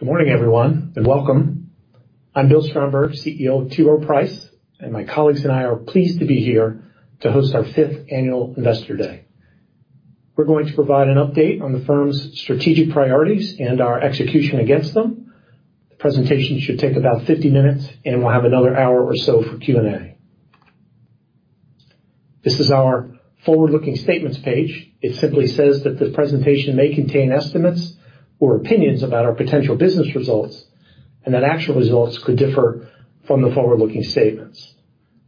Good morning, everyone, and welcome. I'm Bill Stromberg, CEO of T. Rowe Price, and my colleagues and I are pleased to be here to host our fifth annual Investor Day. We're going to provide an update on the firm's strategic priorities and our execution against them. The presentation should take about 50 minutes, and we'll have another hour or so for Q&A. This is our forward-looking statements page. It simply says that this presentation may contain estimates or opinions about our potential business results, and that actual results could differ from the forward-looking statements.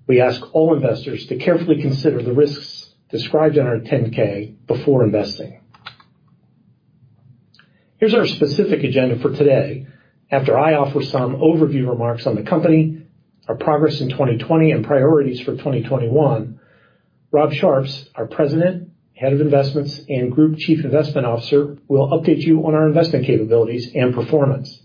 We ask all investors to carefully consider the risks described in our 10-K before investing. Here's our specific agenda for today. After I offer some overview remarks on the company, our progress in 2020, and priorities for 2021, Rob Sharps, our President, Head of Investments, and Group Chief Investment Officer, will update you on our investment capabilities and performance.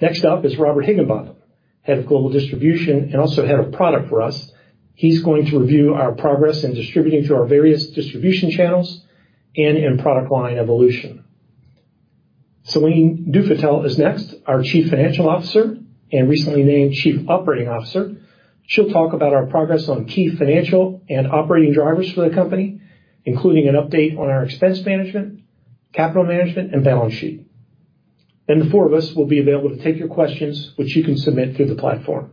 Next up is Robert Higginbotham, Head of Global Distribution and also Head of Product for us. He's going to review our progress in distributing through our various distribution channels and in product line evolution. Céline Dufétel is next, our Chief Financial Officer and recently named Chief Operating Officer. She'll talk about our progress on key financial and operating drivers for the company, including an update on our expense management, capital management, and balance sheet. The four of us will be available to take your questions, which you can submit through the platform.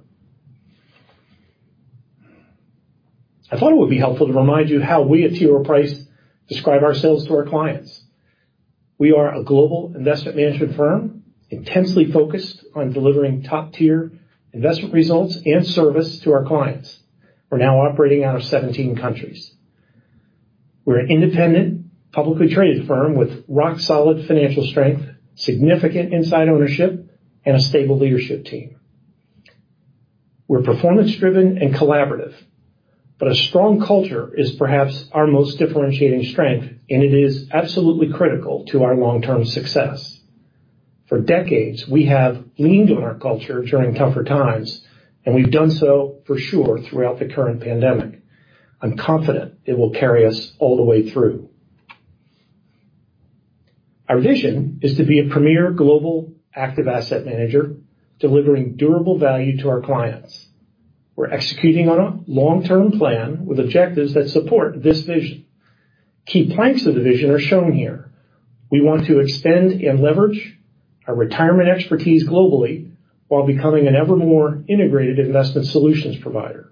I thought it would be helpful to remind you how we at T. Rowe Price describe ourselves to our clients. We are a global investment management firm, intensely focused on delivering top-tier investment results and service to our clients. We're now operating out of 17 countries. We're an independent, publicly-traded firm with rock-solid financial strength, significant inside ownership, and a stable leadership team. We're performance-driven and collaborative, but a strong culture is perhaps our most differentiating strength, and it is absolutely critical to our long-term success. For decades, we have leaned on our culture during tougher times, and we've done so for sure throughout the current pandemic. I'm confident it will carry us all the way through. Our vision is to be a premier global active asset manager, delivering durable value to our clients. We're executing on a long-term plan with objectives that support this vision. Key planks of the vision are shown here. We want to extend and leverage our retirement expertise globally while becoming an ever more integrated investment solutions provider.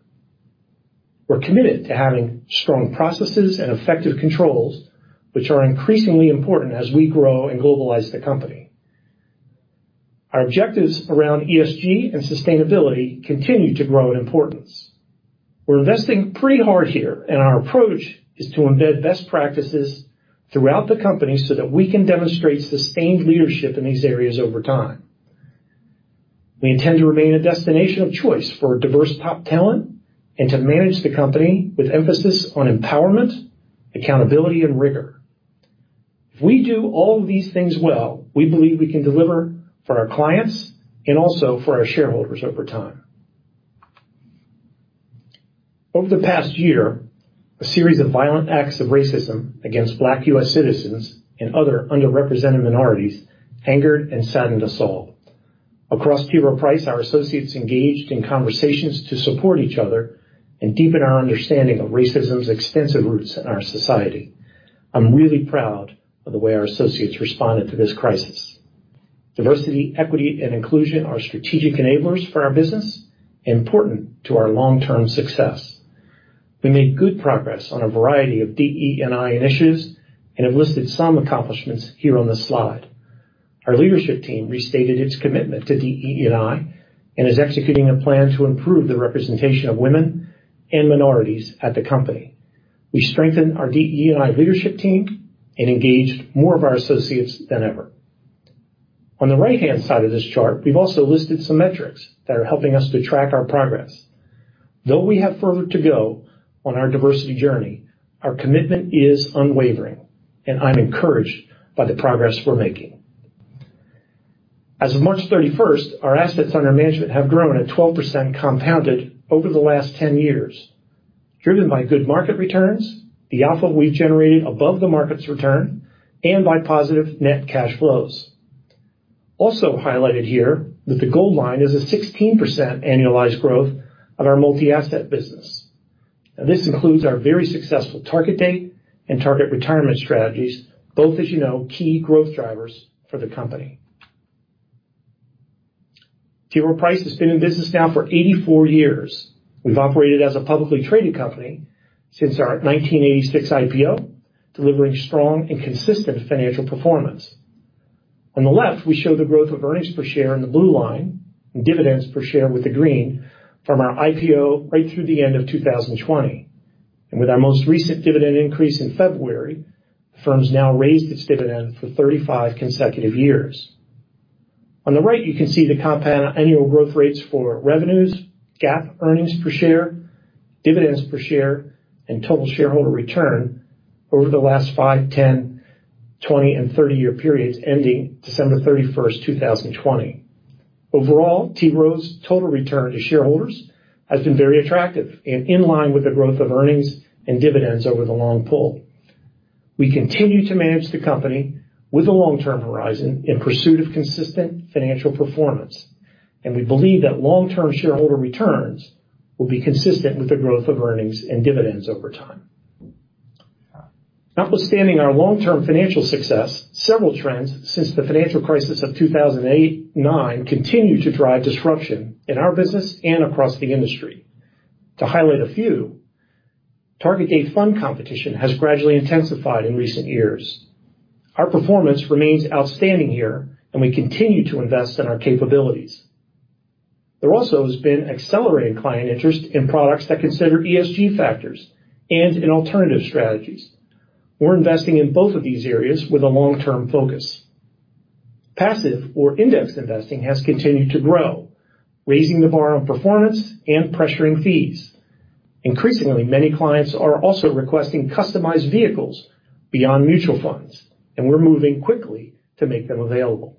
We're committed to having strong processes and effective controls, which are increasingly important as we grow and globalize the company. Our objectives around ESG and sustainability continue to grow in importance. We're investing pretty hard here, and our approach is to embed best practices throughout the company so that we can demonstrate sustained leadership in these areas over time. We intend to remain a destination of choice for diverse top talent and to manage the company with emphasis on empowerment, accountability, and rigor. If we do all of these things well, we believe we can deliver for our clients and also for our shareholders over time. Over the past year, a series of violent acts of racism against Black U.S. citizens and other underrepresented minorities angered and saddened us all. Across T. Rowe Price, our associates engaged in conversations to support each other and deepen our understanding of racism's extensive roots in our society. I'm really proud of the way our associates responded to this crisis. Diversity, equity, and inclusion are strategic enablers for our business, important to our long-term success. We made good progress on a variety of DE&I initiatives and have listed some accomplishments here on the slide. Our leadership team restated its commitment to DE&I and is executing a plan to improve the representation of women and minorities at the company. We strengthened our DE&I leadership team and engaged more of our associates than ever. On the right-hand side of this chart, we've also listed some metrics that are helping us to track our progress. Though we have further to go on our diversity journey, our commitment is unwavering, and I'm encouraged by the progress we're making. As of March 31st, our assets under management have grown at 12% compounded over the last 10 years, driven by good market returns, the alpha we've generated above the market's return, and by positive net cash flows. Also highlighted here that the gold line is a 16% annualized growth of our multi-asset business. This includes our very successful Target Date and Target Retirement strategies, both, as you know, key growth drivers for the company. T. Rowe Price has been in business now for 84 years. We've operated as a publicly-traded company since our 1986 IPO, delivering strong and consistent financial performance. On the left, we show the growth of earnings per share in the blue line and dividends per share with the green from our IPO right through the end of 2020. With our most recent dividend increase in February, the firm's now raised its dividend for 35 consecutive years. On the right, you can see the compound annual growth rates for revenues, GAAP earnings per share, dividends per share, and total shareholder return over the last five, 10, 20, and 30-year periods ending December 31st, 2020. Overall, T. Rowe's total return to shareholders has been very attractive and in line with the growth of earnings and dividends over the long pull. We continue to manage the company with a long-term horizon in pursuit of consistent financial performance, and we believe that long-term shareholder returns will be consistent with the growth of earnings and dividends over time. Notwithstanding our long-term financial success, several trends since the financial crisis of 2008 and 2009 continue to drive disruption in our business and across the industry. To highlight a few, Target Date fund competition has gradually intensified in recent years. Our performance remains outstanding here, and we continue to invest in our capabilities. There also has been accelerated client interest in products that consider ESG factors and in alternative strategies. We're investing in both of these areas with a long-term focus. Passive or index investing has continued to grow, raising the bar on performance and pressuring fees. Increasingly, many clients are also requesting customized vehicles beyond mutual funds, and we're moving quickly to make them available.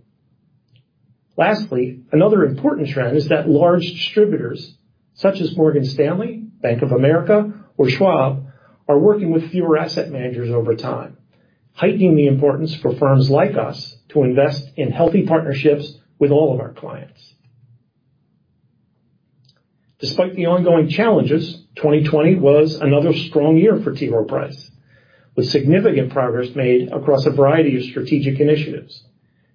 Lastly, another important trend is that large distributors such as Morgan Stanley, Bank of America, or Schwab are working with fewer asset managers over time, heightening the importance for firms like us to invest in healthy partnerships with all of our clients. Despite the ongoing challenges, 2020 was another strong year for T. Rowe Price, with significant progress made across a variety of strategic initiatives.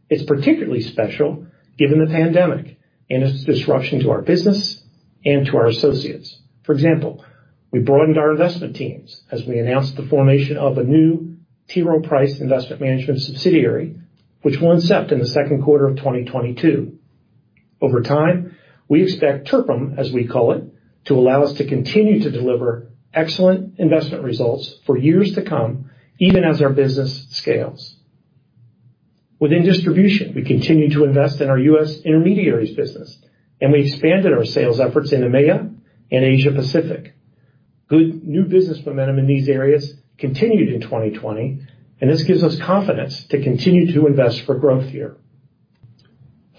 It's particularly special given the pandemic and its disruption to our business and to our associates. For example, we broadened our investment teams as we announced the formation of a new T. Rowe Price Investment Management subsidiary, which went live in the second quarter of 2022. Over time, we expect TRPIM, as we call it, to allow us to continue to deliver excellent investment results for years to come, even as our business scales. Within distribution, we continue to invest in our U.S. intermediaries business, we expanded our sales efforts in EMEA and Asia-Pacific. Good new business momentum in these areas continued in 2020, this gives us confidence to continue to invest for growth here.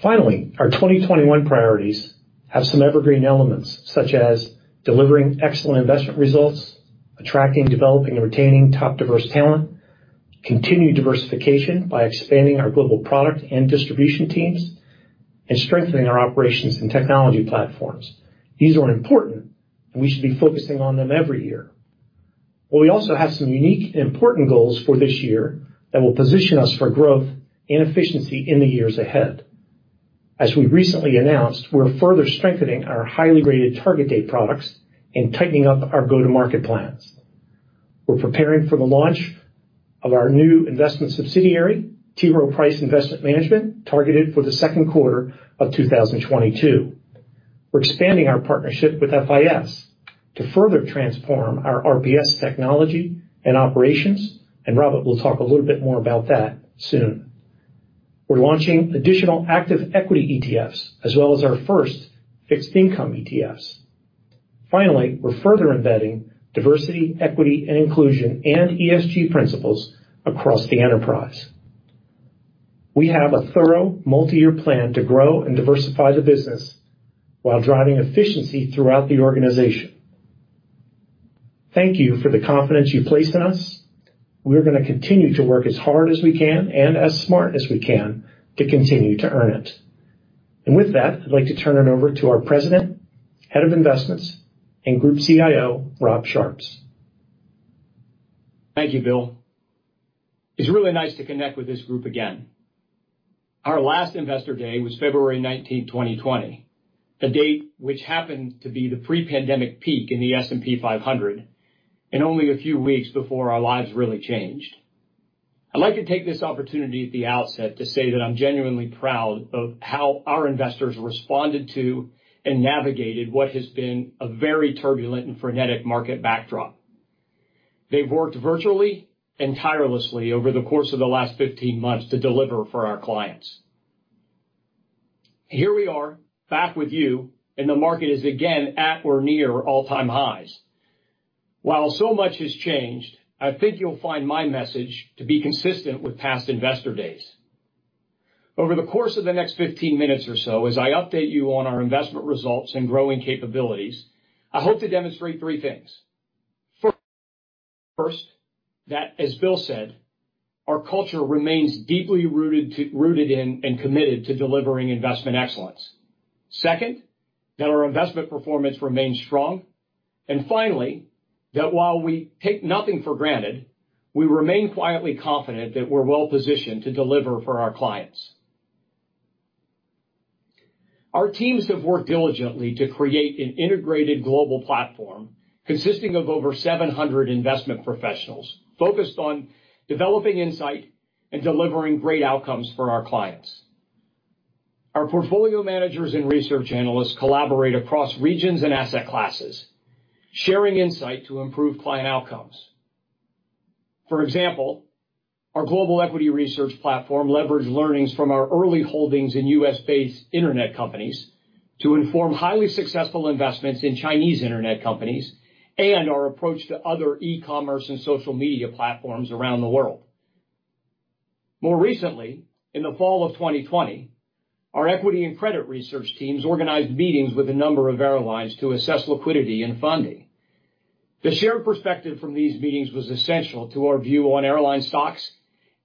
Finally, our 2021 priorities have some evergreen elements, such as delivering excellent investment results, attracting, developing, and retaining top diverse talent, continuing diversification by expanding our global product and distribution teams, and strengthening our operations and technology platforms. These are important. We should be focusing on them every year. We also have some unique and important goals for this year that will position us for growth and efficiency in the years ahead. As we recently announced, we're further strengthening our highly rated Target Date products and tightening up our go-to-market plans. We're preparing for the launch of our new investment subsidiary, T. Rowe Price Investment Management, targeted for the second quarter of 2022. We're expanding our partnership with FIS to further transform our RPS technology and operations. Robert will talk a little bit more about that soon. We're launching additional active equity ETFs as well as our first fixed income ETFs. Finally, we're further embedding diversity, equity, and inclusion and ESG principles across the enterprise. We have a thorough multi-year plan to grow and diversify the business while driving efficiency throughout the organization. Thank you for the confidence you placed in us. We're going to continue to work as hard as we can and as smart as we can to continue to earn it. With that, I'd like to turn it over to our President, Head of Investments, and Group CIO, Rob Sharps. Thank you, Bill. It's really nice to connect with this group again. Our last Investor Day was February 19, 2020, a date which happens to be the pre-pandemic peak in the S&P 500 and only a few weeks before our lives really changed. I'd like to take this opportunity at the outset to say that I'm genuinely proud of how our investors responded to and navigated what has been a very turbulent and frenetic market backdrop. They've worked virtually and tirelessly over the course of the last 15 months to deliver for our clients. Here we are back with you, and the market is again at or near all-time highs. While so much has changed, I think you'll find my message to be consistent with past Investor Days. Over the course of the next 15 minutes or so, as I update you on our investment results and growing capabilities, I hope to demonstrate three things. First, that, as Bill said, our culture remains deeply rooted in and committed to delivering investment excellence. Second, that our investment performance remains strong. Finally, that while we take nothing for granted, we remain quietly confident that we're well-positioned to deliver for our clients. Our teams have worked diligently to create an integrated global platform consisting of over 700 investment professionals focused on developing insight and delivering great outcomes for our clients. Our portfolio managers and research analysts collaborate across regions and asset classes, sharing insight to improve client outcomes. For example, our Global Equity Research platform leveraged learnings from our early holdings in U.S.-based Internet companies to inform highly successful investments in Chinese Internet companies and our approach to other e-commerce and social media platforms around the world. More recently, in the fall of 2020, our equity and credit research teams organized meetings with a number of airlines to assess liquidity and funding. The shared perspective from these meetings was essential to our view on airline stocks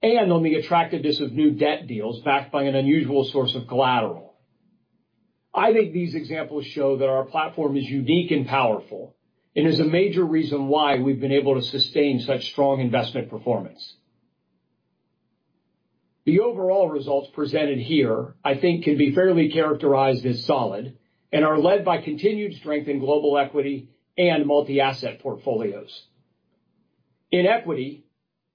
and on the attractiveness of new debt deals backed by an unusual source of collateral. I think these examples show that our platform is unique and powerful, and is a major reason why we've been able to sustain such strong investment performance. The overall results presented here, I think, can be fairly characterized as solid and are led by continued strength in global equity and multi-asset portfolios. In equity,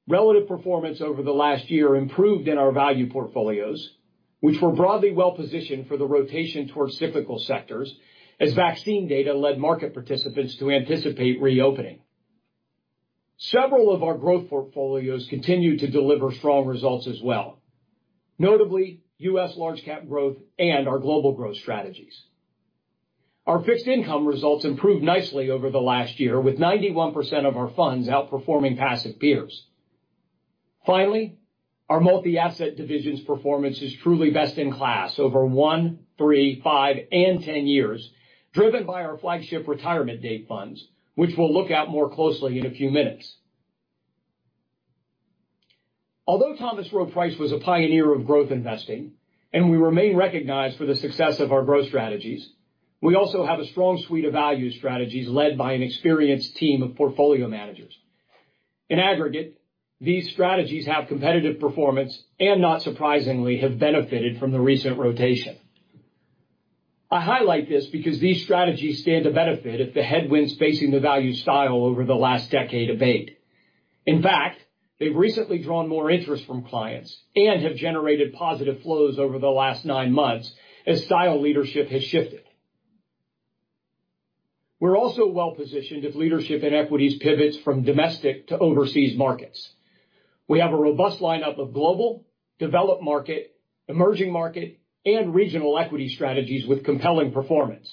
relative performance over the last year improved in our value portfolios, which were broadly well-positioned for the rotation towards cyclical sectors as vaccine data led market participants to anticipate reopening. Several of our growth portfolios continued to deliver strong results as well, notably U.S. large-cap growth and our global growth strategies. Our fixed income results improved nicely over the last year, with 91% of our funds outperforming passive peers. Our multi-asset division's performance is truly best in class over one, three, five, and 10 years, driven by our flagship retirement date funds, which we'll look at more closely in a few minutes. Although Thomas Rowe Price was a pioneer of growth investing, and we remain recognized for the success of our growth strategies, we also have a strong suite of value strategies led by an experienced team of portfolio managers. In aggregate, these strategies have competitive performance and, not surprisingly, have benefited from the recent rotation. I highlight this because these strategies stand to benefit if the headwinds facing the value style over the last decade abate. In fact, they've recently drawn more interest from clients and have generated positive flows over the last nine months as style leadership has shifted. We're also well-positioned if leadership in equities pivots from domestic to overseas markets. We have a robust lineup of global, developed market, emerging market, and regional equity strategies with compelling performance.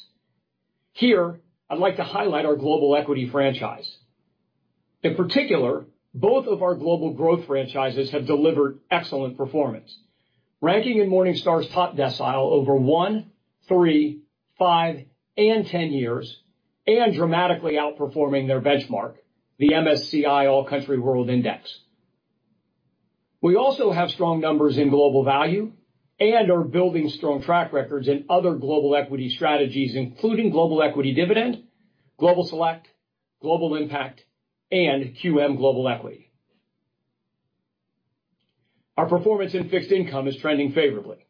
Here, I'd like to highlight our global equity franchise. In particular, both of our global growth franchises have delivered excellent performance, ranking in Morningstar's top decile over one, three, five, and 10 years, and dramatically outperforming their benchmark, the MSCI All Country World Index. We also have strong numbers in Global Value and are building strong track records in other global equity strategies, including Global Equity Dividend, Global Select, Global Impact, and QM Global Equity. Our performance in fixed income is trending favorably.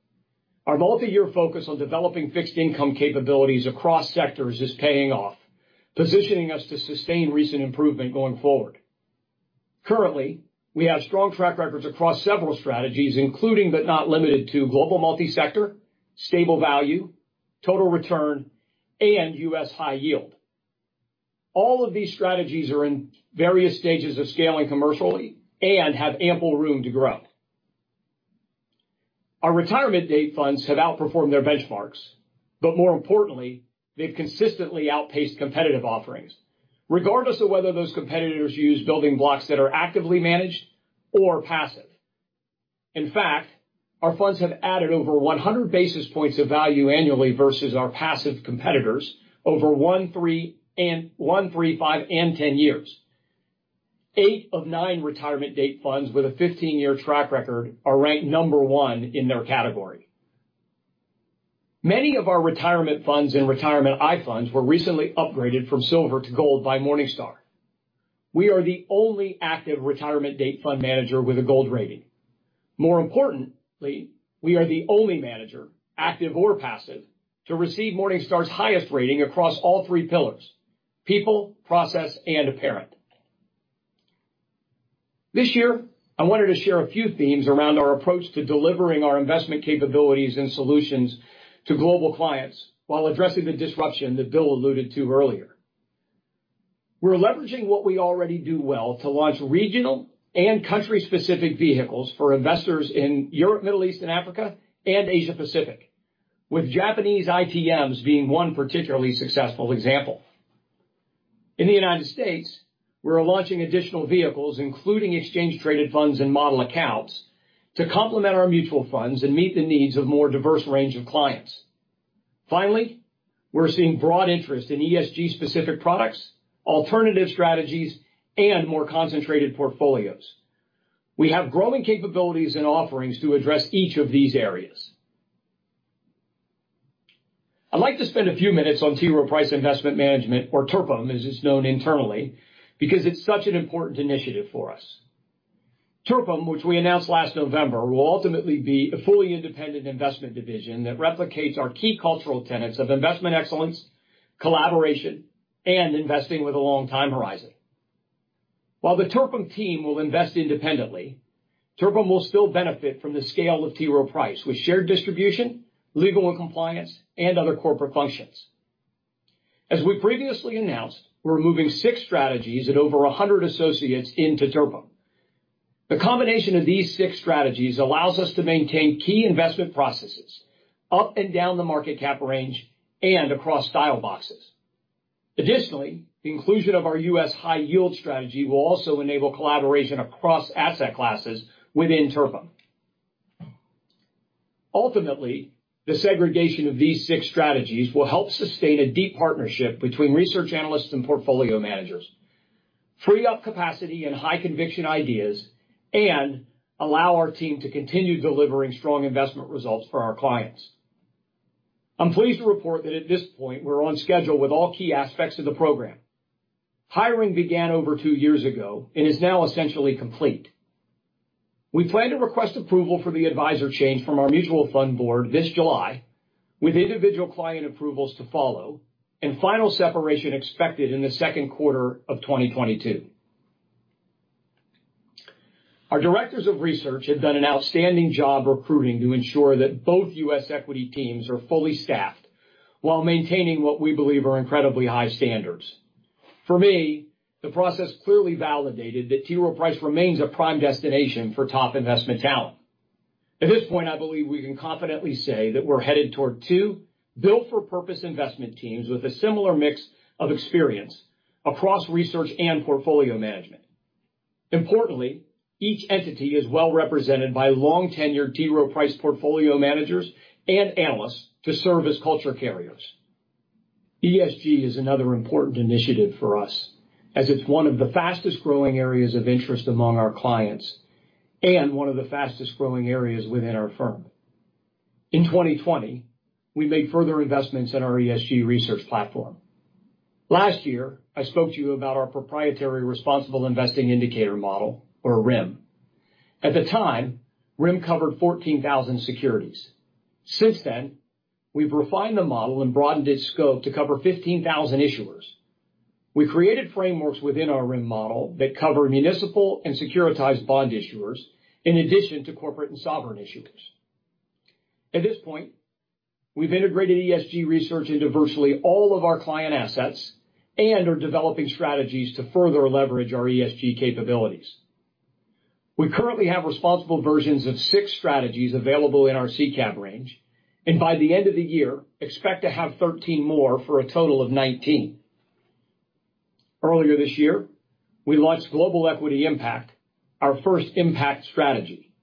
Our multi-year focus on developing fixed income capabilities across sectors is paying off, positioning us to sustain recent improvement going forward. Currently, we have strong track records across several strategies, including, but not limited to Global Multi-Sector, Stable Value, Total Return, and U.S. High Yield. All of these strategies are in various stages of scaling commercially and have ample room to grow. Our retirement date funds have outperformed their benchmarks. More importantly, they've consistently outpaced competitive offerings, regardless of whether those competitors use building blocks that are actively managed or passive. In fact, our funds have added over 100 basis points of value annually versus our passive competitors over one, three, five, and 10 years. Eight of nine retirement date funds with a 15-year track record are ranked number one in their category. Many of our retirement funds and Retirement I Funds were recently upgraded from silver to gold by Morningstar. We are the only active retirement date fund manager with a gold rating. More importantly, we are the only manager, active or passive, to receive Morningstar's highest rating across all three pillars, people, process, and parent. This year, I wanted to share a few themes around our approach to delivering our investment capabilities and solutions to global clients while addressing the disruption that Bill alluded to earlier. We're leveraging what we already do well to launch regional and country-specific vehicles for investors in Europe, Middle East, and Africa, and Asia-Pacific, with Japanese ITMs being one particularly successful example. In the United States, we're launching additional vehicles, including exchange-traded funds and model accounts, to complement our mutual funds and meet the needs of a more diverse range of clients. Finally, we're seeing broad interest in ESG-specific products, alternative strategies, and more concentrated portfolios. We have growing capabilities and offerings to address each of these areas. I'd like to spend a few minutes on T. Rowe Price Investment Management, or TRPIM, as it's known internally, because it's such an important initiative for us. TRPIM, which we announced last November, will ultimately be a fully independent investment division that replicates our key cultural tenets of investment excellence, collaboration, and investing with a long time horizon. While the TRPIM team will invest independently, TRPIM will still benefit from the scale of T. Rowe Price with shared distribution, legal and compliance, and other corporate functions. As we previously announced, we're moving six strategies and over 100 associates into TRPIM. The combination of these six strategies allows us to maintain key investment processes up and down the market cap range and across style boxes. Additionally, the inclusion of our U.S. High Yield strategy will also enable collaboration across asset classes within T. Rowe Price. Ultimately, the segregation of these six strategies will help sustain a deep partnership between research analysts and portfolio managers, free up capacity and high conviction ideas, and allow our team to continue delivering strong investment results for our clients. I'm pleased to report that at this point, we're on schedule with all key aspects of the program. Hiring began over two years ago and is now essentially complete. We plan to request approval for the advisor change from our mutual fund board this July with individual client approvals to follow and final separation expected in the second quarter of 2022. Our directors of research have done an outstanding job recruiting to ensure that both U.S. equity teams are fully staffed while maintaining what we believe are incredibly high standards. For me, the process clearly validated that T. Rowe Price remains a prime destination for top investment talent. At this point, I believe we can confidently say that we're headed toward two built-for-purpose investment teams with a similar mix of experience across research and portfolio management. Importantly, each entity is well-represented by long-tenured T. Rowe Price portfolio managers and analysts to serve as culture carriers. ESG is another important initiative for us, as it's one of the fastest-growing areas of interest among our clients and one of the fastest-growing areas within our firm. In 2020, we made further investments in our ESG research platform. Last year, I spoke to you about our proprietary responsible investing indicator model or RIIM. At the time, RIIM covered 14,000 securities. Since then, we've refined the model and broadened its scope to cover 15,000 issuers. We created frameworks within our RIIM model that cover municipal and securitized bond issuers in addition to corporate and sovereign issuers. At this point, we've integrated ESG research into virtually all of our client assets and are developing strategies to further leverage our ESG capabilities. We currently have responsible versions of six strategies available in our SICAV range, and by the end of the year, expect to have 13 more for a total of 19. Earlier this year, we launched Global Impact Equity, our first impact strategy.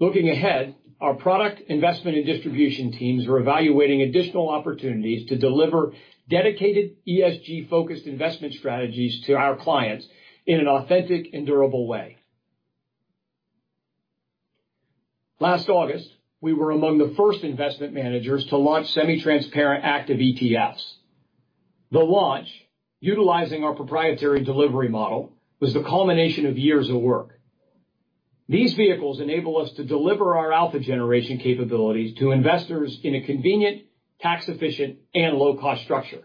Looking ahead, our product investment and distribution teams are evaluating additional opportunities to deliver dedicated ESG-focused investment strategies to our clients in an authentic and durable way. Last August, we were among the first investment managers to launch semi-transparent active ETFs. The launch, utilizing our proprietary delivery model, was the culmination of years of work. These vehicles enable us to deliver our alpha generation capabilities to investors in a convenient, tax-efficient, and low-cost structure.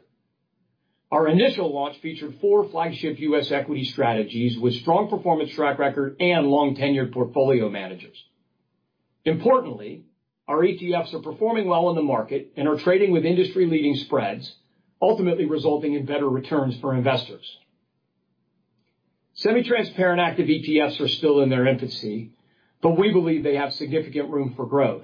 Our initial launch featured four flagship U.S. equity strategies with strong performance track record and long-tenured portfolio managers. Importantly, our ETFs are performing well in the market and are trading with industry-leading spreads, ultimately resulting in better returns for investors. Semi-transparent active ETFs are still in their infancy, but we believe they have significant room for growth.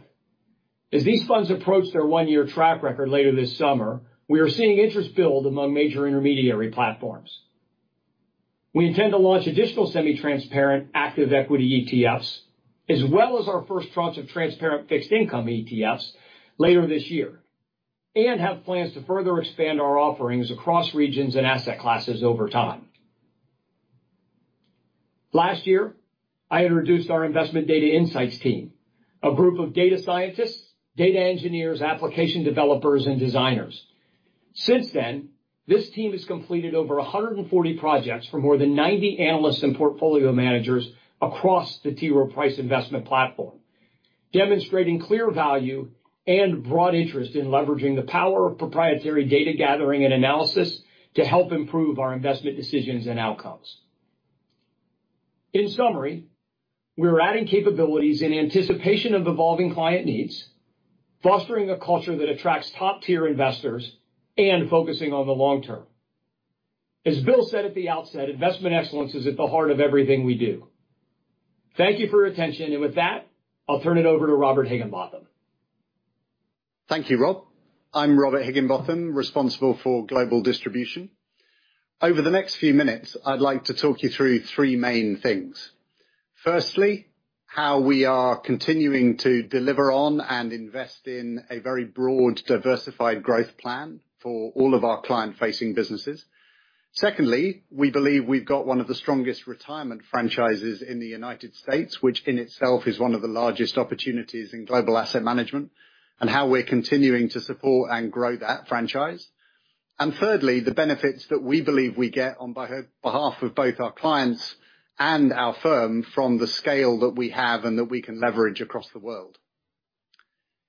As these funds approach their one-year track record later this summer, we are seeing interest build among major intermediary platforms. We intend to launch additional semi-transparent active equity ETFs, as well as our first tranche of transparent fixed income ETFs later this year, and have plans to further expand our offerings across regions and asset classes over time. Last year, I introduced our investment data insights team, a group of data scientists, data engineers, application developers, and designers. Since then, this team has completed over 140 projects for more than 90 analysts and portfolio managers across the T. Rowe Price investment platform, demonstrating clear value and broad interest in leveraging the power of proprietary data gathering and analysis to help improve our investment decisions and outcomes. In summary, we are adding capabilities in anticipation of evolving client needs, fostering a culture that attracts top-tier investors, and focusing on the long term. As Bill said at the outset, investment excellence is at the heart of everything we do. Thank you for your attention. With that, I'll turn it over to Robert Higginbotham. Thank you, Rob. I'm Robert Higginbotham, responsible for global distribution. Over the next few minutes, I'd like to talk you through three main things. Firstly, how we are continuing to deliver on and invest in a very broad, diversified growth plan for all of our client-facing businesses. Secondly, we believe we've got one of the strongest retirement franchises in the U.S., which in itself is one of the largest opportunities in global asset management, and how we're continuing to support and grow that franchise. Thirdly, the benefits that we believe we get on behalf of both our clients and our firm from the scale that we have and that we can leverage across the world.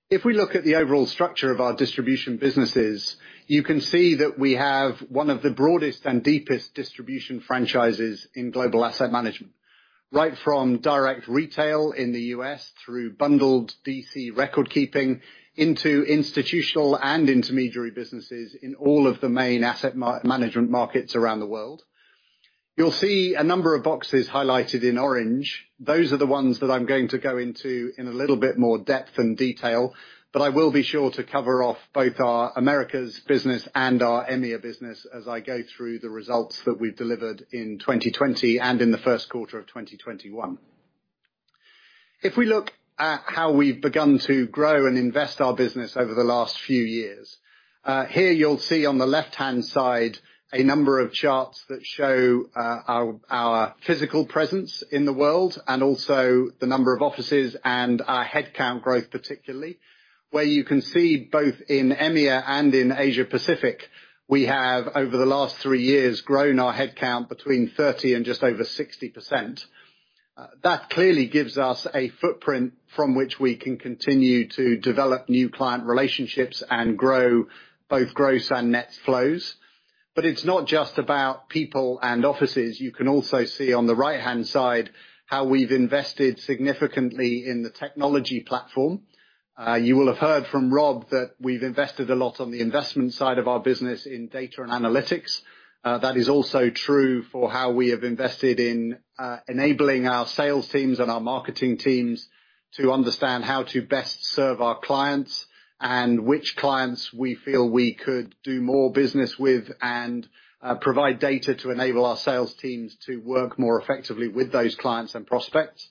If we look at the overall structure of our distribution businesses, you can see that we have one of the broadest and deepest distribution franchises in global asset management, right from direct retail in the U.S., through bundled DC record keeping, into institutional and intermediary businesses in all of the main asset management markets around the world. You'll see a number of boxes highlighted in orange. Those are the ones that I'm going to go into in a little bit more depth and detail, but I will be sure to cover off both our Americas business and our EMEA business as I go through the results that we've delivered in 2020 and in the first quarter of 2021. If we look at how we've begun to grow and invest our business over the last few years, here you'll see on the left-hand side a number of charts that show our physical presence in the world and also the number of offices and our headcount growth, particularly, where you can see both in EMEA and in Asia-Pacific, we have, over the last three years, grown our headcount between 30% and just over 60%. That clearly gives us a footprint from which we can continue to develop new client relationships and grow both gross and net flows. It's not just about people and offices. You can also see on the right-hand side how we've invested significantly in the technology platform. You will have heard from Rob that we've invested a lot on the investment side of our business in data and analytics. That is also true for how we have invested in enabling our sales teams and our marketing teams to understand how to best serve our clients and which clients we feel we could do more business with and provide data to enable our sales teams to work more effectively with those clients and prospects.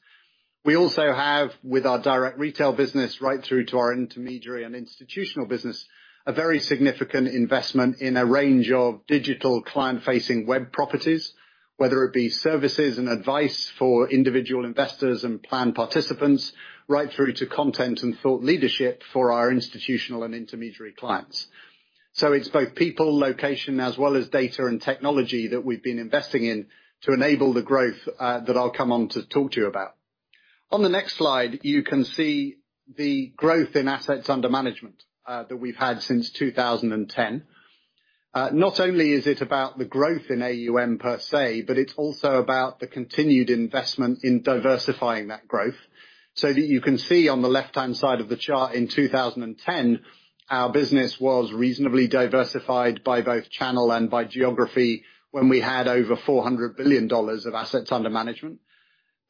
We also have, with our direct retail business, right through to our intermediary and institutional business, a very significant investment in a range of digital client-facing web properties, whether it be services and advice for individual investors and plan participants, right through to content and thought leadership for our institutional and intermediary clients. It's both people, location, as well as data and technology that we've been investing in to enable the growth that I'll come on to talk to you about. On the next slide, you can see the growth in assets under management that we've had since 2010. Not only is it about the growth in AUM per se, but it's also about the continued investment in diversifying that growth, so that you can see on the left-hand side of the chart, in 2010, our business was reasonably diversified by both channel and by geography when we had over $400 billion of assets under management.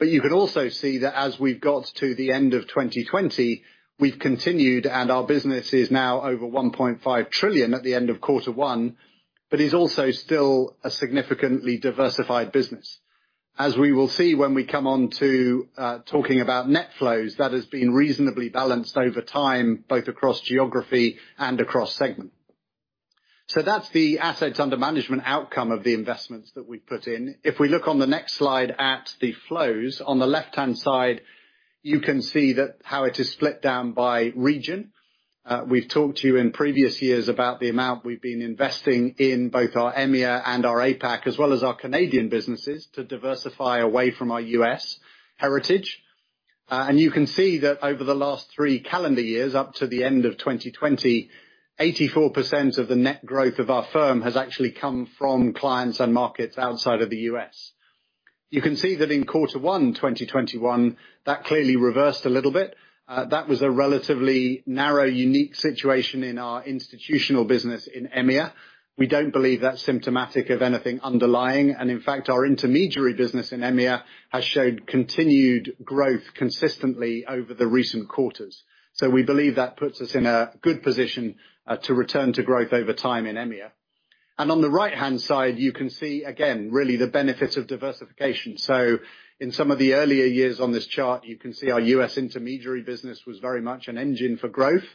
You also can see that as we've got to the end of 2020, we've continued, and our business is now over $1.5 trillion at the end of quarter one, but is also still a significantly diversified business. As we will see when we come on to talking about net flows, that has been reasonably balanced over time, both across geography and across segment. That's the assets under management outcome of the investments that we've put in. If we look on the next slide at the flows, on the left-hand side, you can see how it is split down by region. We've talked to you in previous years about the amount we've been investing in both our EMEA and our APAC, as well as our Canadian businesses to diversify away from our U.S. heritage. You can see that over the last three calendar years, up to the end of 2020, 84% of the net growth of our firm has actually come from clients and markets outside of the U.S. You can see that in quarter one 2021, that clearly reversed a little bit. That was a relatively narrow, unique situation in our institutional business in EMEA. We don't believe that's symptomatic of anything underlying. In fact, our intermediary business in EMEA has showed continued growth consistently over the recent quarters. We believe that puts us in a good position to return to growth over time in EMEA. On the right-hand side, you can see, again, really the benefits of diversification. In some of the earlier years on this chart, you can see our U.S. intermediary business was very much an engine for growth.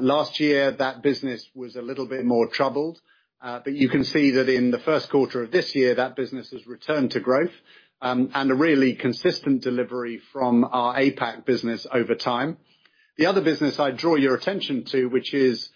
Last year, that business was a little bit more troubled. You can see that in the first quarter of this year, that business has returned to growth, and a really consistent delivery from our APAC business over time. The other business I'd draw your attention to, which is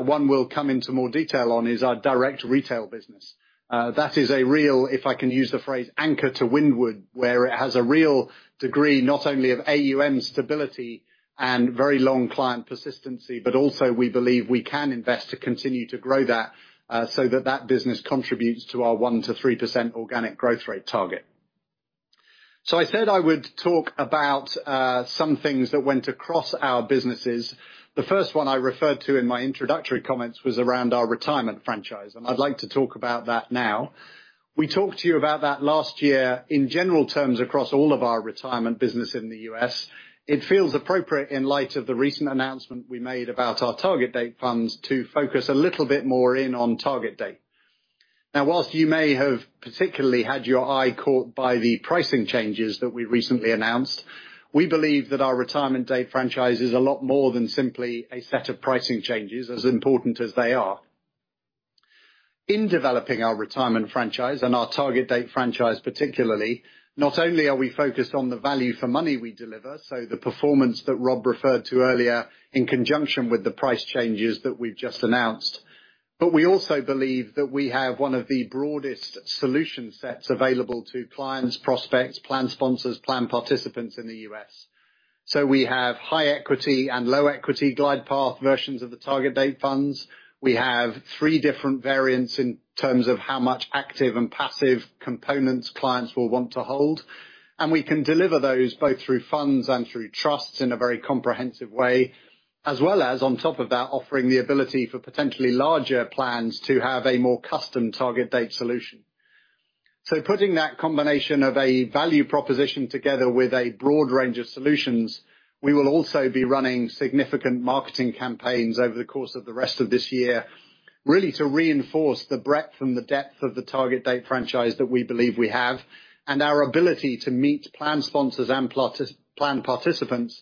one we'll come into more detail on, is our direct retail business. That is a real, if I can use the phrase, anchor to windward, where it has a real degree, not only of AUM stability and very long client persistency, but also we believe we can invest to continue to grow that, so that that business contributes to our 1% to 3% organic growth rate target. I said I would talk about some things that went across our businesses. The first one I referred to in my introductory comments was around our retirement franchise, and I'd like to talk about that now. We talked to you about that last year in general terms across all of our retirement business in the U.S. It feels appropriate in light of the recent announcement we made about our Target Date funds to focus a little bit more in on Target Date. Whilst you may have particularly had your eye caught by the pricing changes that we recently announced, we believe that our retirement date franchise is a lot more than simply a set of pricing changes, as important as they are. In developing our retirement franchise and our Target Date franchise, particularly, not only are we focused on the value for money we deliver, so the performance that Rob referred to earlier in conjunction with the price changes that we've just announced, but we also believe that we have one of the broadest solution sets available to clients, prospects, plan sponsors, plan participants in the U.S. We have high equity and low equity glide path versions of the Target Date funds. We have three different variants in terms of how much active and passive components clients will want to hold, and we can deliver those both through funds and through trusts in a very comprehensive way, as well as on top of that, offering the ability for potentially larger plans to have a more custom Target Date solution. Putting that combination of a value proposition together with a broad range of solutions, we will also be running significant marketing campaigns over the course of the rest of this year, really to reinforce the breadth and the depth of the Target Date franchise that we believe we have, and our ability to meet plan sponsors and plan participants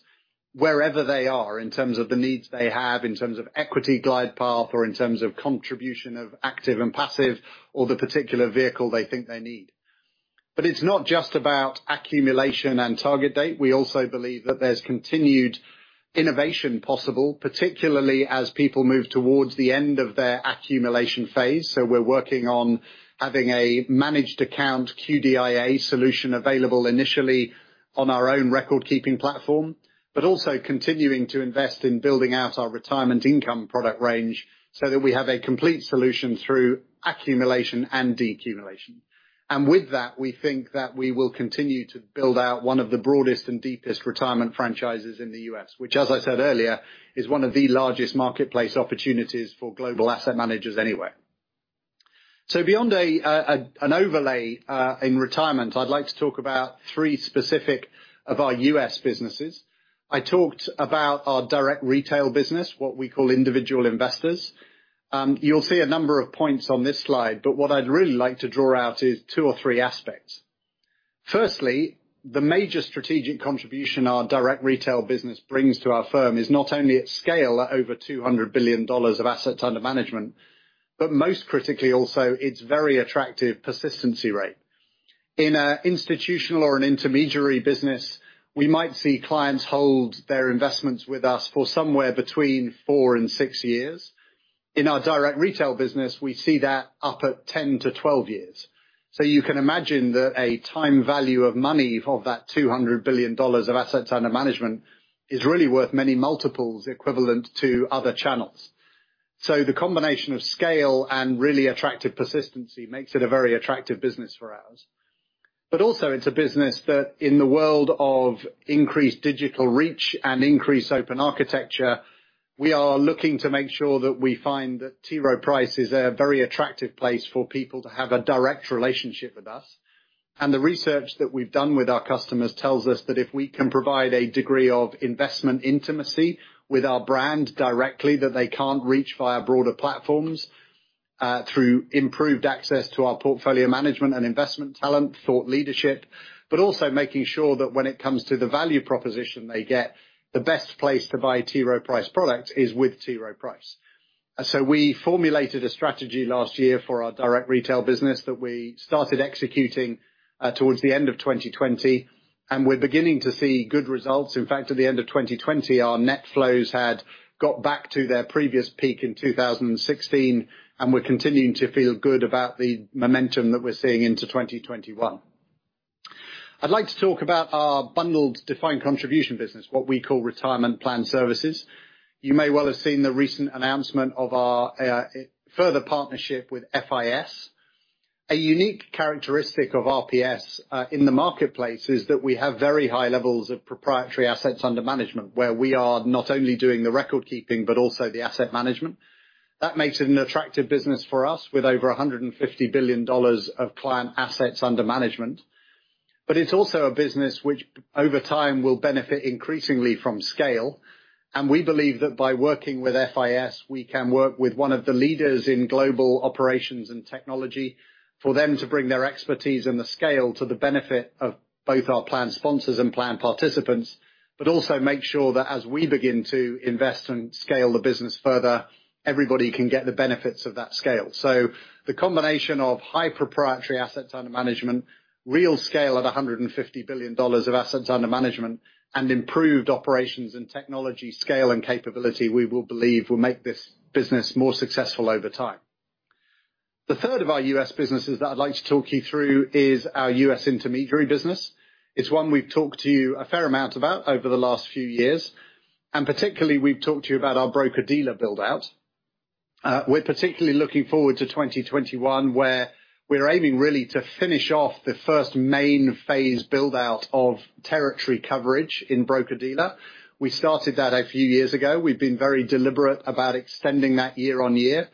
wherever they are in terms of the needs they have, in terms of equity glide path, or in terms of contribution of active and passive, or the particular vehicle they think they need. It's not just about accumulation and Target Date. We also believe that there's continued innovation possible, particularly as people move towards the end of their accumulation phase. We're working on having a managed account QDIA solution available initially on our own record-keeping platform, but also continuing to invest in building out our retirement income product range so that we have a complete solution through accumulation and decumulation. With that, we think that we will continue to build out one of the broadest and deepest retirement franchises in the U.S., which as I said earlier, is one of the largest marketplace opportunities for global asset managers anywhere. Beyond an overlay in retirement, I'd like to talk about three specific of our U.S. businesses. I talked about our direct retail business, what we call individual investors. You'll see a number of points on this slide. What I'd really like to draw out is two or three aspects. Firstly, the major strategic contribution our direct retail business brings to our firm is not only at scale at over $200 billion of assets under management, but most critically also, its very attractive persistency rate. In an institutional or an intermediary business, we might see clients hold their investments with us for somewhere between four and six years. In our direct retail business, we see that up at 10 to 12 years. You can imagine that a time value of money of that $200 billion of assets under management is really worth many multiples equivalent to other channels. The combination of scale and really attractive persistency makes it a very attractive business for us. It's a business that in the world of increased digital reach and increased open architecture, we are looking to make sure that we find that T. Rowe Price is a very attractive place for people to have a direct relationship with us. The research that we've done with our customers tells us that if we can provide a degree of investment intimacy with our brand directly that they can't reach via broader platforms, through improved access to our portfolio management and investment talent, thought leadership, but also making sure that when it comes to the value proposition they get, the best place to buy T. Rowe Price products is with T. Rowe Price. We formulated a strategy last year for our direct retail business that we started executing towards the end of 2020, and we're beginning to see good results. In fact, at the end of 2020, our net flows had got back to their previous peak in 2016, and we're continuing to feel good about the momentum that we're seeing into 2021. I'd like to talk about our bundled defined contribution business, what we call Retirement Plan Services. You may well have seen the recent announcement of our further partnership with FIS. A unique characteristic of RPS in the marketplace is that we have very high levels of proprietary assets under management, where we are not only doing the record keeping, but also the asset management. That makes it an attractive business for us with over $150 billion of client assets under management. It's also a business which over time will benefit increasingly from scale, and we believe that by working with FIS, we can work with one of the leaders in global operations and technology for them to bring their expertise and the scale to the benefit of both our plan sponsors and plan participants, but also make sure that as we begin to invest and scale the business further, everybody can get the benefits of that scale. The combination of high proprietary assets under management, real scale at $150 billion of assets under management, and improved operations and technology scale and capability, we will believe will make this business more successful over time. The third of our U.S. businesses that I'd like to talk you through is our U.S. intermediary business. It's one we've talked to you a fair amount about over the last few years. Particularly we've talked to you about our broker-dealer build-out. We're particularly looking forward to 2021, where we're aiming really to finish off the first main phase build-out of territory coverage in broker-dealer. We started that a few years ago. We've been very deliberate about extending that year-over-year.